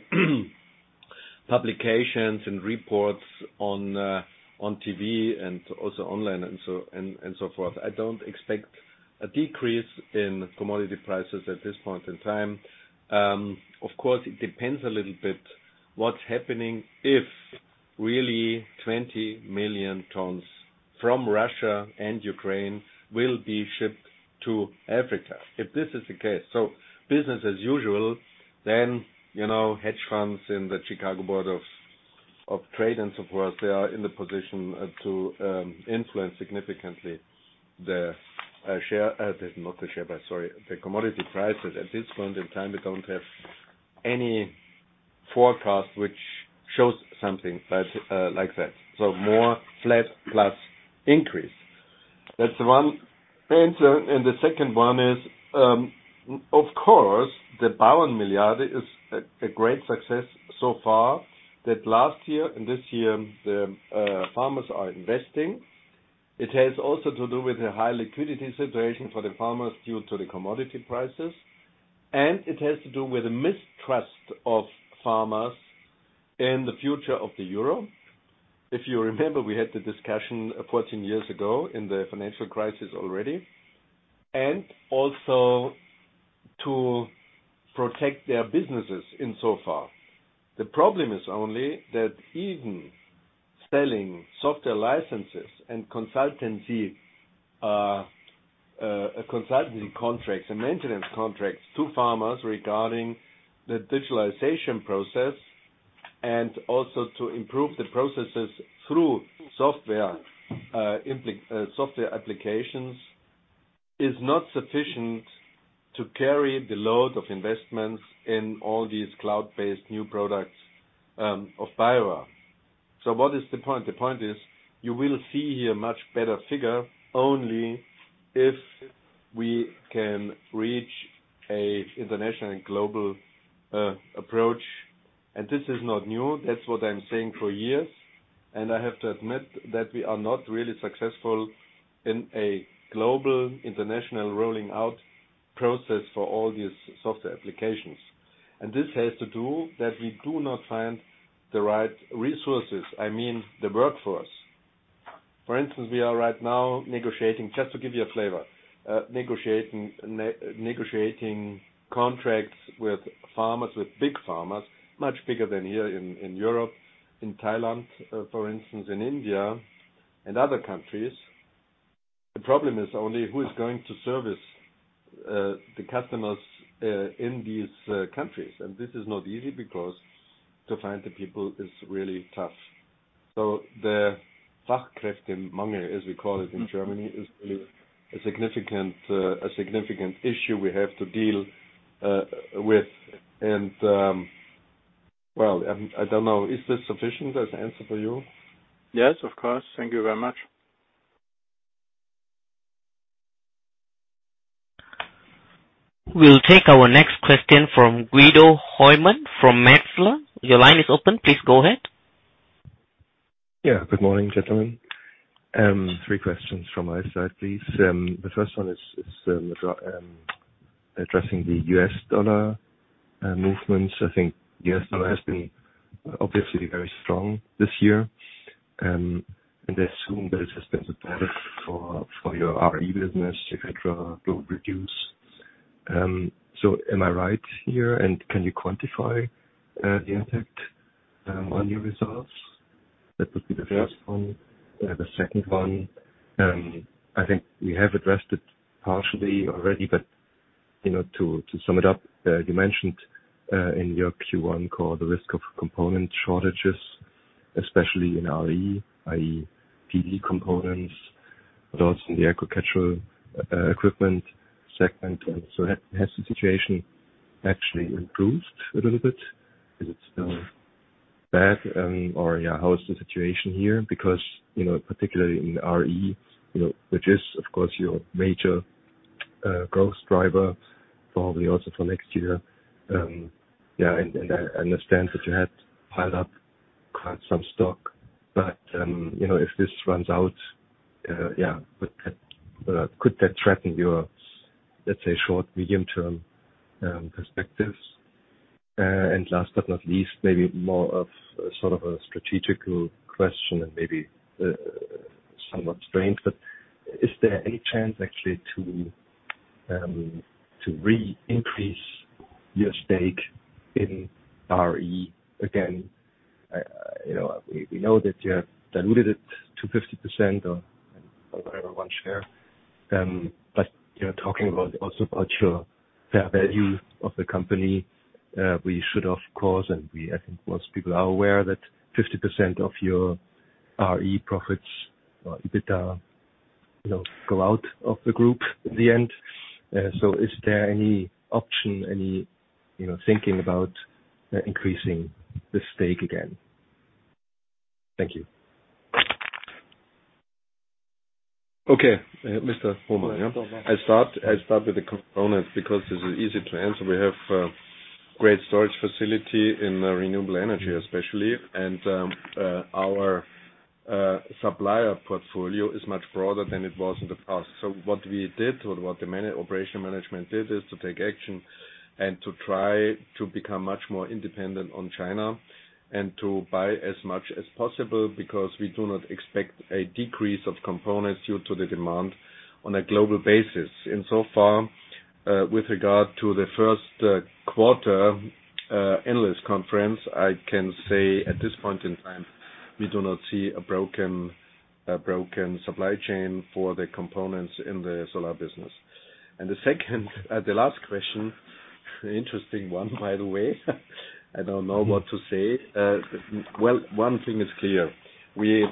publications and reports on TV and also online and so forth. I don't expect a decrease in commodity prices at this point in time. Of course, it depends a little bit what's happening if really 20 million tons from Russia and Ukraine will be shipped to Africa. If this is the case, business as usual, you know, hedge funds in the Chicago Board of Trade and so forth, they are in the position to influence significantly the share, not the share price, sorry. The commodity prices at this point in time, we don't have any forecast which shows something that like that. More flat plus increase. That's one answer. The second one is, of course, the Bauernmilliarde is a great success so far, that last year and this year the farmers are investing. It has also to do with the high liquidity situation for the farmers due to the commodity prices. It has to do with the mistrust of farmers in the future of the euro. If you remember, we had the discussion 14 years ago in the financial crisis already. Also to protect their businesses in so far. The problem is only that even selling software licenses and consultancy contracts and maintenance contracts to farmers regarding the digitalization process and also to improve the processes through software applications is not sufficient to carry the load of investments in all these cloud-based new products of BayWa. What is the point? The point is you will see here much better figure only if we can reach an international and global approach. This is not new. That's what I'm saying for years. I have to admit that we are not really successful in a global international rolling out process for all these software applications. This has to do that we do not find the right resources. I mean, the workforce. For instance, we are right now negotiating. Just to give you a flavor, negotiating contracts with farmers, with big farmers, much bigger than here in Europe, in Thailand, for instance, in India and other countries. The problem is only who is going to service the customers in these countries. This is not easy because to find the people is really tough. The Fachkräftemangel, as we call it in Germany, is really a significant issue we have to deal with. I don't know. Is this sufficient as an answer for you? Yes, of course. Thank you very much. We'll take our next question from Guido Hoymann from Metzler. Your line is open. Please go ahead. Good morning, gentlemen. Three questions from my side, please. The first one is addressing the U.S. dollar movements. I think the U.S. dollar has been obviously very strong this year. I assume that it has been supportive for your r.e. business. You had to reduce. Am I right here? Can you quantify the impact on your results? That would be the first one. The second one, I think we have addressed it partially already, but you know, to sum it up, you mentioned in your Q1 call the risk of component shortages, especially in r.e., i.e. PV components, but also in the agricultural equipment segment. Has the situation actually improved a little bit? Is it still bad? Or how is the situation here? Because you know, particularly in r.e., you know, which is of course your major growth driver, probably also for next year. Yeah, and I understand that you had piled up quite some stock. You know, if this runs out, yeah. Could that threaten your, let's say, short, medium-term prospects? Last but not least, maybe more of a sort of a strategic question and maybe somewhat strange, but is there any chance actually to re-increase your stake in r.e. again? You know, we know that you have diluted it to 50% or whatever, one share. You know, talking about also about your fair value of the company, we should of course. I think most people are aware that 50% of your r.e. profits or EBITDA, you know, go out of the group in the end. Is there any option, you know, thinking about increasing the stake again? Thank you. Okay. Mr. Hoymann, yeah. I start with the components because this is easy to answer. We have great storage facility in renewable energy, especially. Our supplier portfolio is much broader than it was in the past. What we did or what the operation management did is to take action and to try to become much more independent on China and to buy as much as possible because we do not expect a decrease of components due to the demand on a global basis. So far, with regard to the first quarter analyst conference, I can say at this point in time, we do not see a broken supply chain for the components in the solar business. The last question, interesting one, by the way. I don't know what to say. Well, one thing is clear. We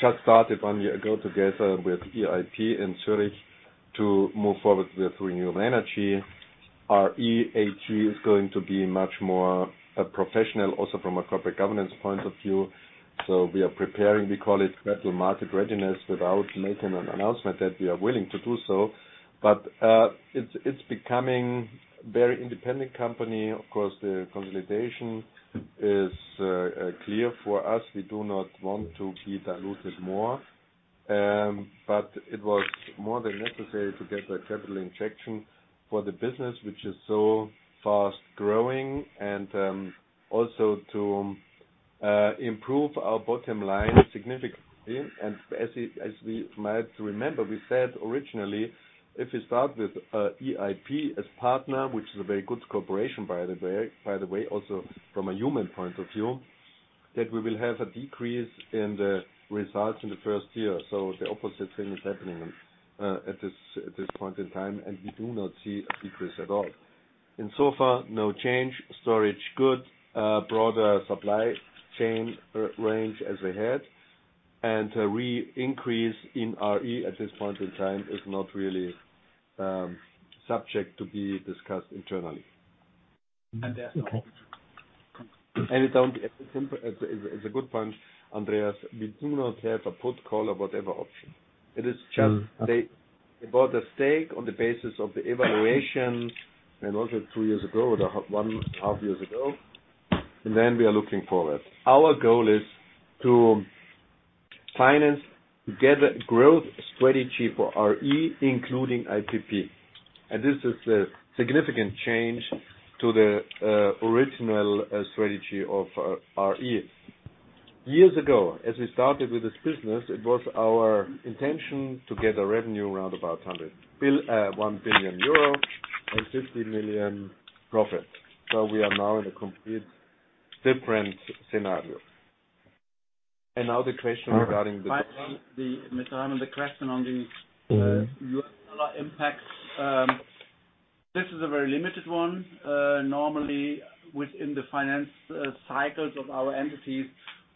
just started one year ago together with EIP in Zurich to move forward with renewable energy. Our BayWa r.e. is going to be much more professional, also from a corporate governance point of view. We are preparing, we call it capital market readiness, without making an announcement that we are willing to do so. It's becoming very independent company. Of course, the consolidation is clear for us. We do not want to be diluted more, but it was more than necessary to get a capital injection for the business, which is so fast-growing and also to improve our bottom line significantly. As we might remember, we said originally, if we start with EIP as partner, which is a very good cooperation, by the way, also from a human point of view, that we will have a decrease in the results in the first year. The opposite thing is happening at this point in time, and we do not see a decrease at all. So far, no change. Storage good. Broader supply chain range as we had. A re-increase in r.e. at this point in time is not really subject to be discussed internally. That's all. It's a good point, Andreas. We do not have a put/call or whatever option. It is just. Mm. They bought a stake on the basis of the valuation and also two years ago, one and a half years ago, and then we are looking forward. Our goal is to finance, to get a growth strategy for r.e., including IPP. This is a significant change to the original strategy of r.e.. Years ago, as we started with this business, it was our intention to get a revenue around one billion euro and fifty million profit. We are now in a completely different scenario. Now the question regarding the Finally, Mr. Hoymann, the question on the U.S. dollar impact. This is a very limited one. Normally, within the financing cycles of our entities,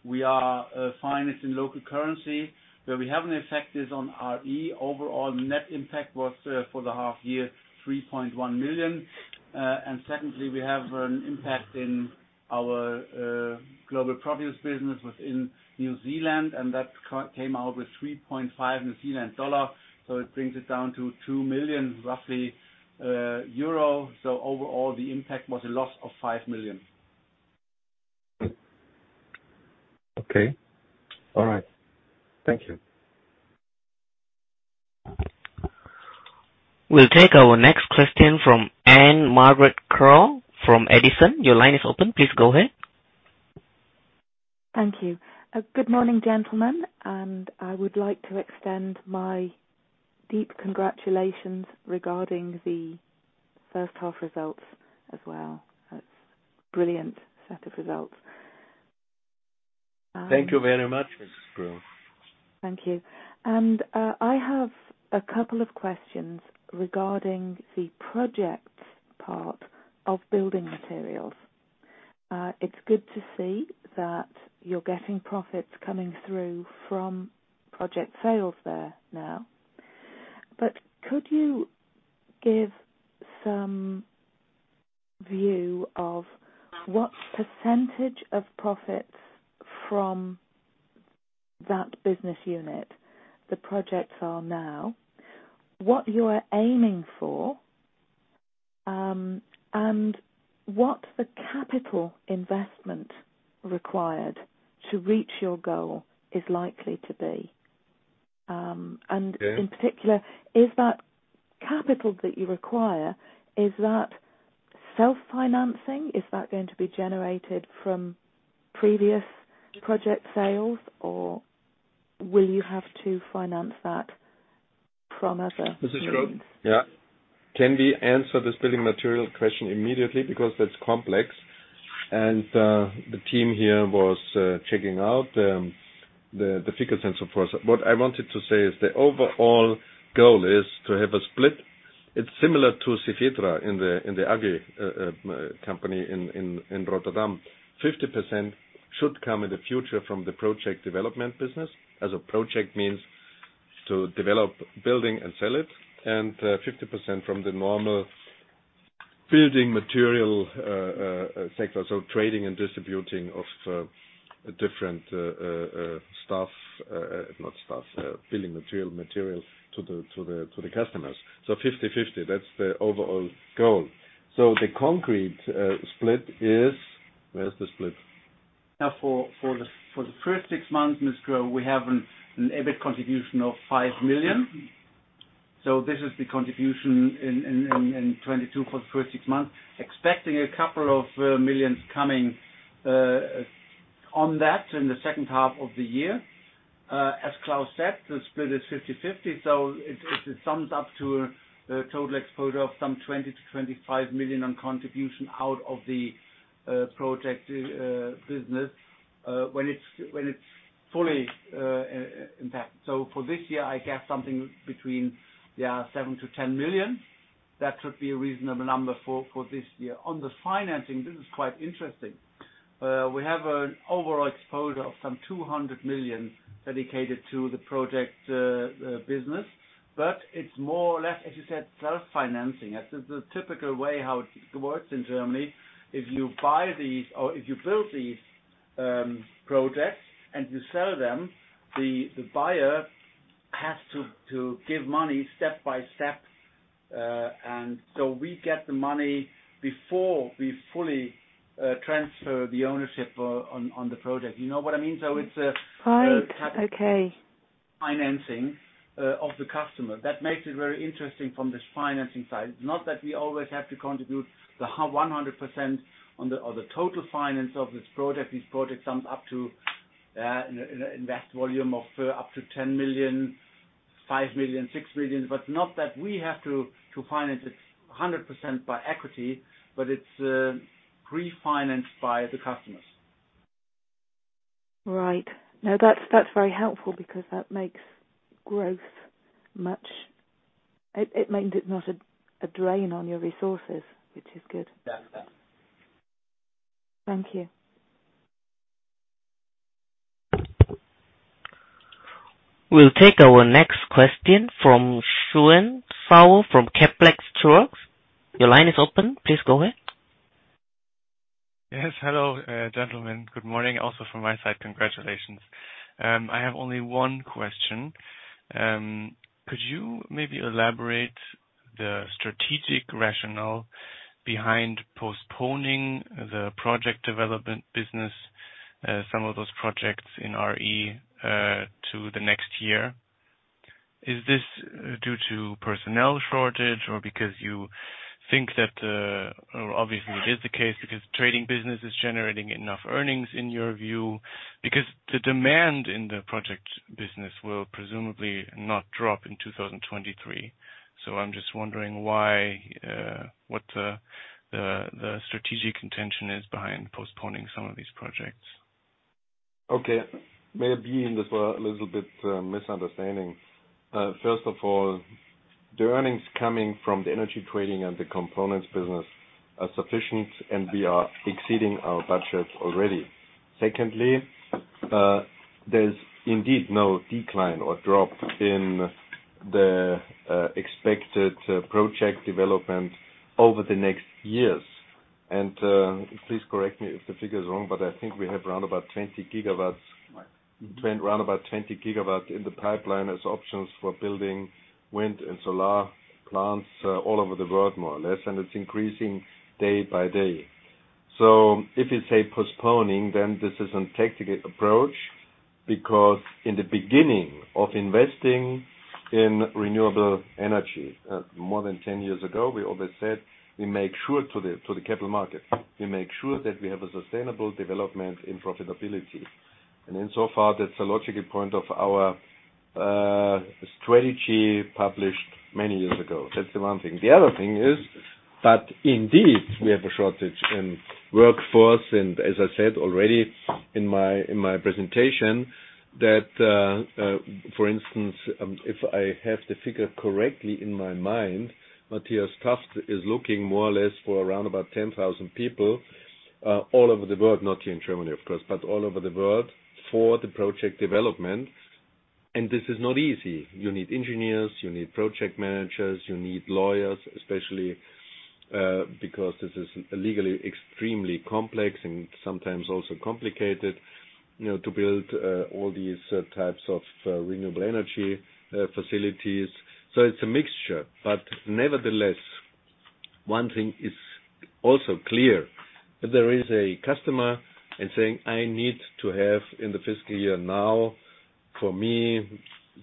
we are financing local currency. Where we have an effect is on r.e.. Overall, net impact was for the half year, 3.1 million. Secondly, we have an impact in our global produce business within New Zealand, and that came out with 3.5 New Zealand dollar. It brings it down to 2 million euro, roughly. Overall, the impact was a loss of 5 million. Okay. All right. Thank you. We'll take our next question from Anne Margaret Crow from Edison. Your line is open. Please go ahead. Thank you. Good morning, gentlemen. I would like to extend my deep congratulations regarding the first half results as well. That's brilliant set of results. Thank you very much, Mrs. Crow. Thank you. I have a couple of questions regarding the projects part of building materials. It's good to see that you're getting profits coming through from project sales there now. Could you give some view of what percentage of profits from that business unit the projects are now? What you are aiming for, and what the capital investment required to reach your goal is likely to be. Yeah. In particular, is that capital that you require self-financing? Is that going to be generated from previous project sales or will you have to finance that from other means? Mrs. Crow. Yeah. Can we answer this building material question immediately because that's complex. The team here was checking out the figures and so forth. What I wanted to say is the overall goal is to have a split. It's similar to Cefetra in the agri company in Rotterdam. 50% should come in the future from the project development business, as a project means to develop building and sell it, and 50% from the normal building material sector, so trading and distributing of different stuff, not stuff, building materials to the customers. 50/50, that's the overall goal. The concrete split is. Where is the split? Now for the first six months, Mrs. Crow, we have an EBIT contribution of 5 million. This is the contribution in 2022 for the first six months. Expecting a couple of millions coming on that in the second half of the year. As Klaus said, the split is 50/50, so it sums up to a total exposure of some 20 million-25 million on contribution out of the project business when it's fully impacted. For this year, I guess something between 7-10 million. That should be a reasonable number for this year. On the financing, this is quite interesting. We have an overall exposure of some 200 million dedicated to the project business, but it's more or less, as you said, self-financing. That's the typical way how it works in Germany. If you buy these or if you build these projects and you sell them, the buyer has to give money step by step. And so we get the money before we fully transfer the ownership on the project. You know what I mean? It's a- Right. Okay. Financing of the customer. That makes it very interesting from this financing side. Not that we always have to contribute the 100% or the total finance of this project. These projects sum up to an investment volume of up to 10 million, 5 million, 6 million, but not that we have to finance it 100% by equity, but it's pre-financed by the customers. Right. No, that's very helpful. It means it's not a drain on your resources, which is good. Yeah. Thank you. We'll take our next question from Sven Saule from Kepler Cheuvreux. Your line is open. Please go ahead. Yes. Hello, gentlemen. Good morning also from my side. Congratulations. I have only one question. Could you maybe elaborate the strategic rationale behind postponing the project development business, some of those projects in r.e., to the next year? Is this due to personnel shortage or because you think that. Or obviously it is the case because trading business is generating enough earnings in your view. Because the demand in the project business will presumably not drop in 2023. I'm just wondering why, what the strategic intention is behind postponing some of these projects. Okay. Maybe there's a little bit, misunderstanding. First of all, the earnings coming from the energy trading and the components business are sufficient, and we are exceeding our budget already. Secondly, there's indeed no decline or drop in the expected project development over the next years. Please correct me if the figure is wrong, but I think we have about 20 GW. Right. Twenty, round about 20 GW in the pipeline as options for building wind and solar plants all over the world, more or less, and it's increasing day by day. If you say postponing, then this is a tactical approach because in the beginning of investing in renewable energy, more than 10 years ago, we always said we make sure to the capital market. We make sure that we have a sustainable development and profitability. Insofar, that's a logical point of our strategy published many years ago. That's the one thing. The other thing is that indeed we have a shortage in workforce, and as I said already in my presentation, that for instance, if I have the figure correctly in my mind, Matthias Taft is looking more or less for around about 10,000 people all over the world, not here in Germany of course, but all over the world for the project development. This is not easy. You need engineers, you need project managers, you need lawyers, especially because this is legally extremely complex and sometimes also complicated, you know, to build all these types of renewable energy facilities. It's a mixture. Nevertheless, one thing is also clear. If there is a customer and saying, "I need to have in the fiscal year now for me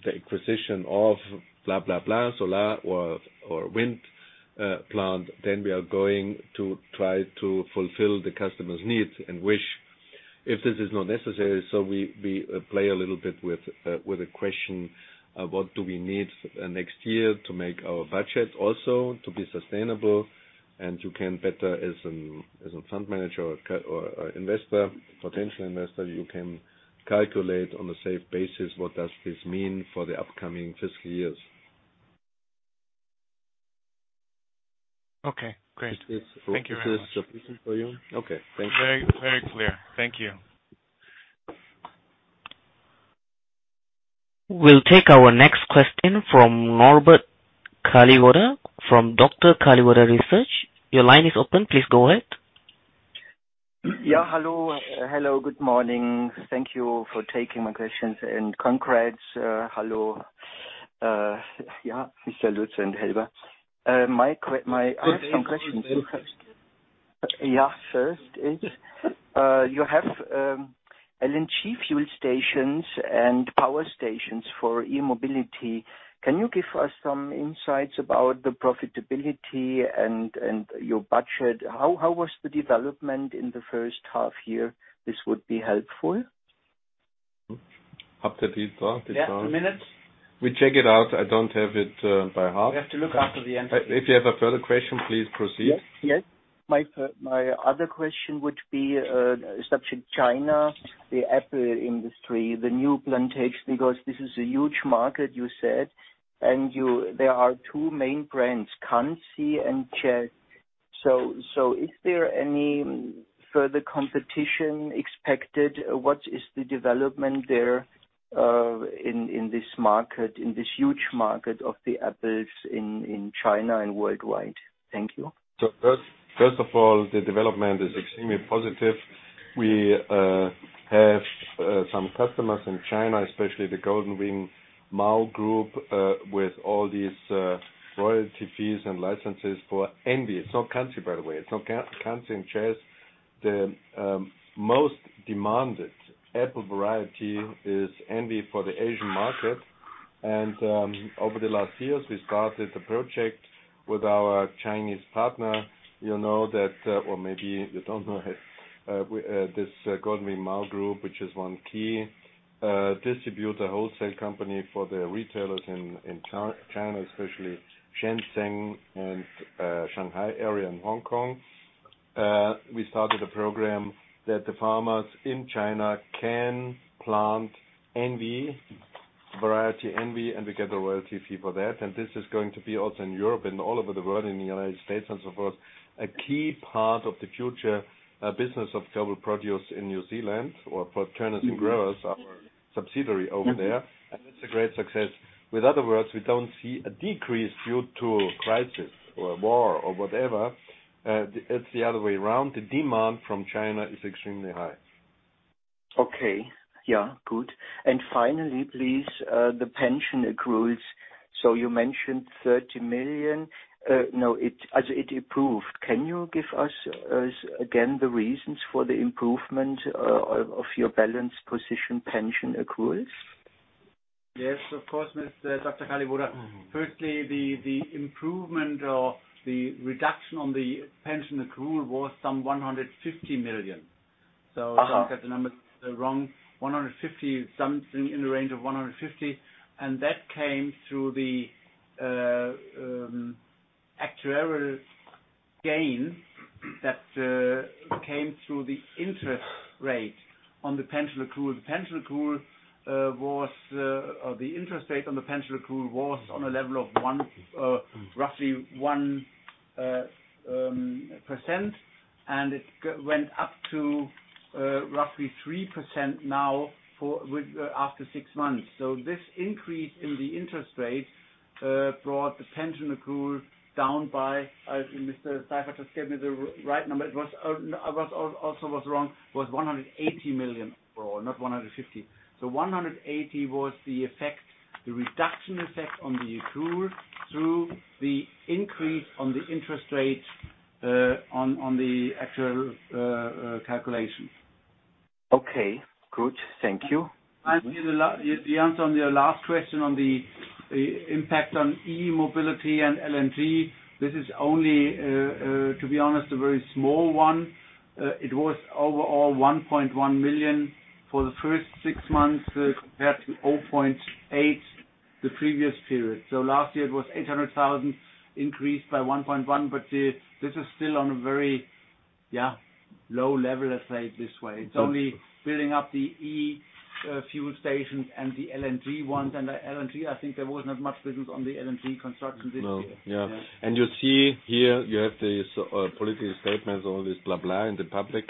the acquisition of blah, blah, solar or wind plant," then we are going to try to fulfill the customer's needs and wish. If this is not necessary, so we play a little bit with the question of what do we need next year to make our budget also to be sustainable and you can better as a fund manager or investor, potential investor, you can calculate on a safe basis what does this mean for the upcoming fiscal years. Okay, great. Is this? Thank you very much. Is this sufficient for you? Okay. Thank you. Very, very clear. Thank you. We'll take our next question from Norbert Kalliwoda from Dr. Kalliwoda Research. Your line is open. Please go ahead. Yeah. Hello, good morning. Thank you for taking my questions. Congrats, Mr. Lutz and Helber. I have some questions. Good day. Yeah. First is, you have, LNG fuel stations and power stations for e-mobility. Can you give us some insights about the profitability and your budget? How was the development in the first half year? This would be helpful. Up to this. Yeah. A minute. We check it out. I don't have it by heart. We have to look after the answer. If you have a further question, please proceed. Yes. My other question would be, especially China, the apple industry, the new plantations, because this is a huge market, you said. There are two main brands, Kanzi and Jazz. So, is there any further competition expected? What is the development there, in this market, in this huge market of the apples in China and worldwide? Thank you. First of all, the development is extremely positive. We have some customers in China, especially the Golden Wing Mau Group, with all these royalty fees and licenses for Envy. It's not Kanzi, by the way. It's not Kanzi and Jazz. The most demanded apple variety is Envy for the Asian market. Over the last years, we started a project with our Chinese partner. You know that, or maybe you don't know it, with this Golden Wing Mau Group, which is a key distributor, a wholesale company for the retailers in China, especially Shenzhen and Shanghai area and Hong Kong. We started a program that the farmers in China can plant Envy, variety Envy, and we get a royalty fee for that. This is going to be also in Europe and all over the world, in the United States and so forth, a key part of the future business of global produce in New Zealand or for Turners and Growers, our subsidiary over there. That's a great success. In other words, we don't see a decrease due to crisis or war or whatever. It's the other way around. The demand from China is extremely high. Okay. Yeah, good. Finally, please, the pension accruals. You mentioned 30 million. No, as it improved. Can you give us again the reasons for the improvement of your balance position pension accruals? Yes, of course, Mr. Dr. Kalliwoda. Mm-hmm. Firstly, the improvement or the reduction on the pension accrual was some 150 million. Aha. Don't get the numbers wrong. Something in the range of 150 million, and that came through the actuarial gain that came through the interest rate on the pension accrual. The interest rate on the pension accrual was on a level of roughly 1%, and it went up to roughly 3% now after six months. This increase in the interest rate brought the pension accrual down by, Mr. Seifert just gave me the right number. It was. I was also wrong. It was 180 million, not 150 million. 180 was the effect, the reduction effect on the accrual through the increase in the interest rate on the actual calculation. Okay, good. Thank you. The answer on your last question on the impact on e-mobility and LNG, this is only, to be honest, a very small one. It was overall 1.1 million for the first six months, compared to 0.8 million the previous period. Last year it was 800,000 increased by 1.1, but this is still on a very low level, let's say it this way. It's only building up the e-fuel stations and the LNG ones. The LNG, I think there was not much business on the LNG construction this year. No. Yeah. You see here you have these political statements, all this blah, in the public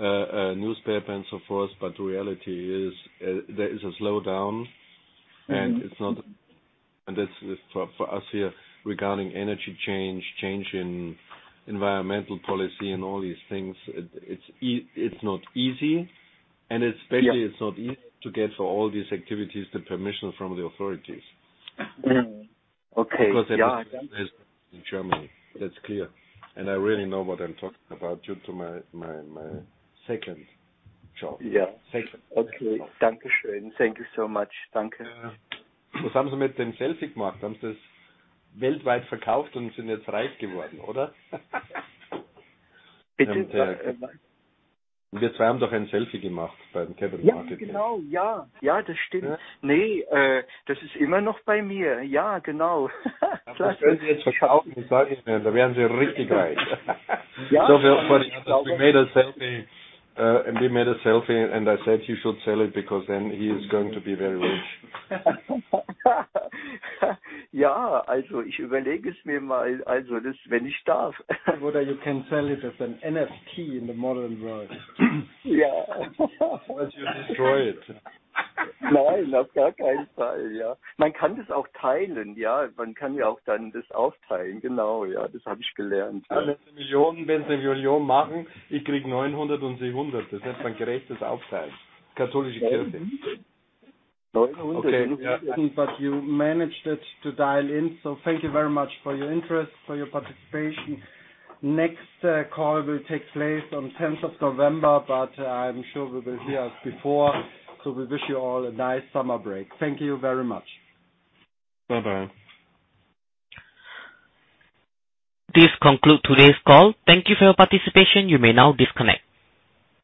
newspaper and so forth, but the reality is, there is a slowdown. Mm-hmm. This is for us here regarding energy change in environmental policy and all these things. It's not easy and especially Yeah. It's not easy to get for all these activities, the permission from the authorities. Okay, ja. Because at the same time as in Germany, that's clear. I really know what I'm talking about due to my second job. Yeah. Second. Okay. Danke schön. Thank you so much. Danke. Yeah. Bitte? For the others, we made a selfie, and I said he should sell it because then he is going to be very rich. Kalliwoda, you can sell it as an NFT in the modern world. Yeah. Before you destroy it. If it's EUR 1 million, we'll soon make EUR 1 million. I get EUR 900 and you EUR 100. That's how you fairly divide it. Catholic Church. EUR 900? Okay. You managed it to dial in. Thank you very much for your interest, for your participation. Next, call will take place on tenth of November, but I'm sure we will hear as before. We wish you all a nice summer break. Thank you very much. Bye-bye. This concludes today's call. Thank you for your participation. You may now disconnect.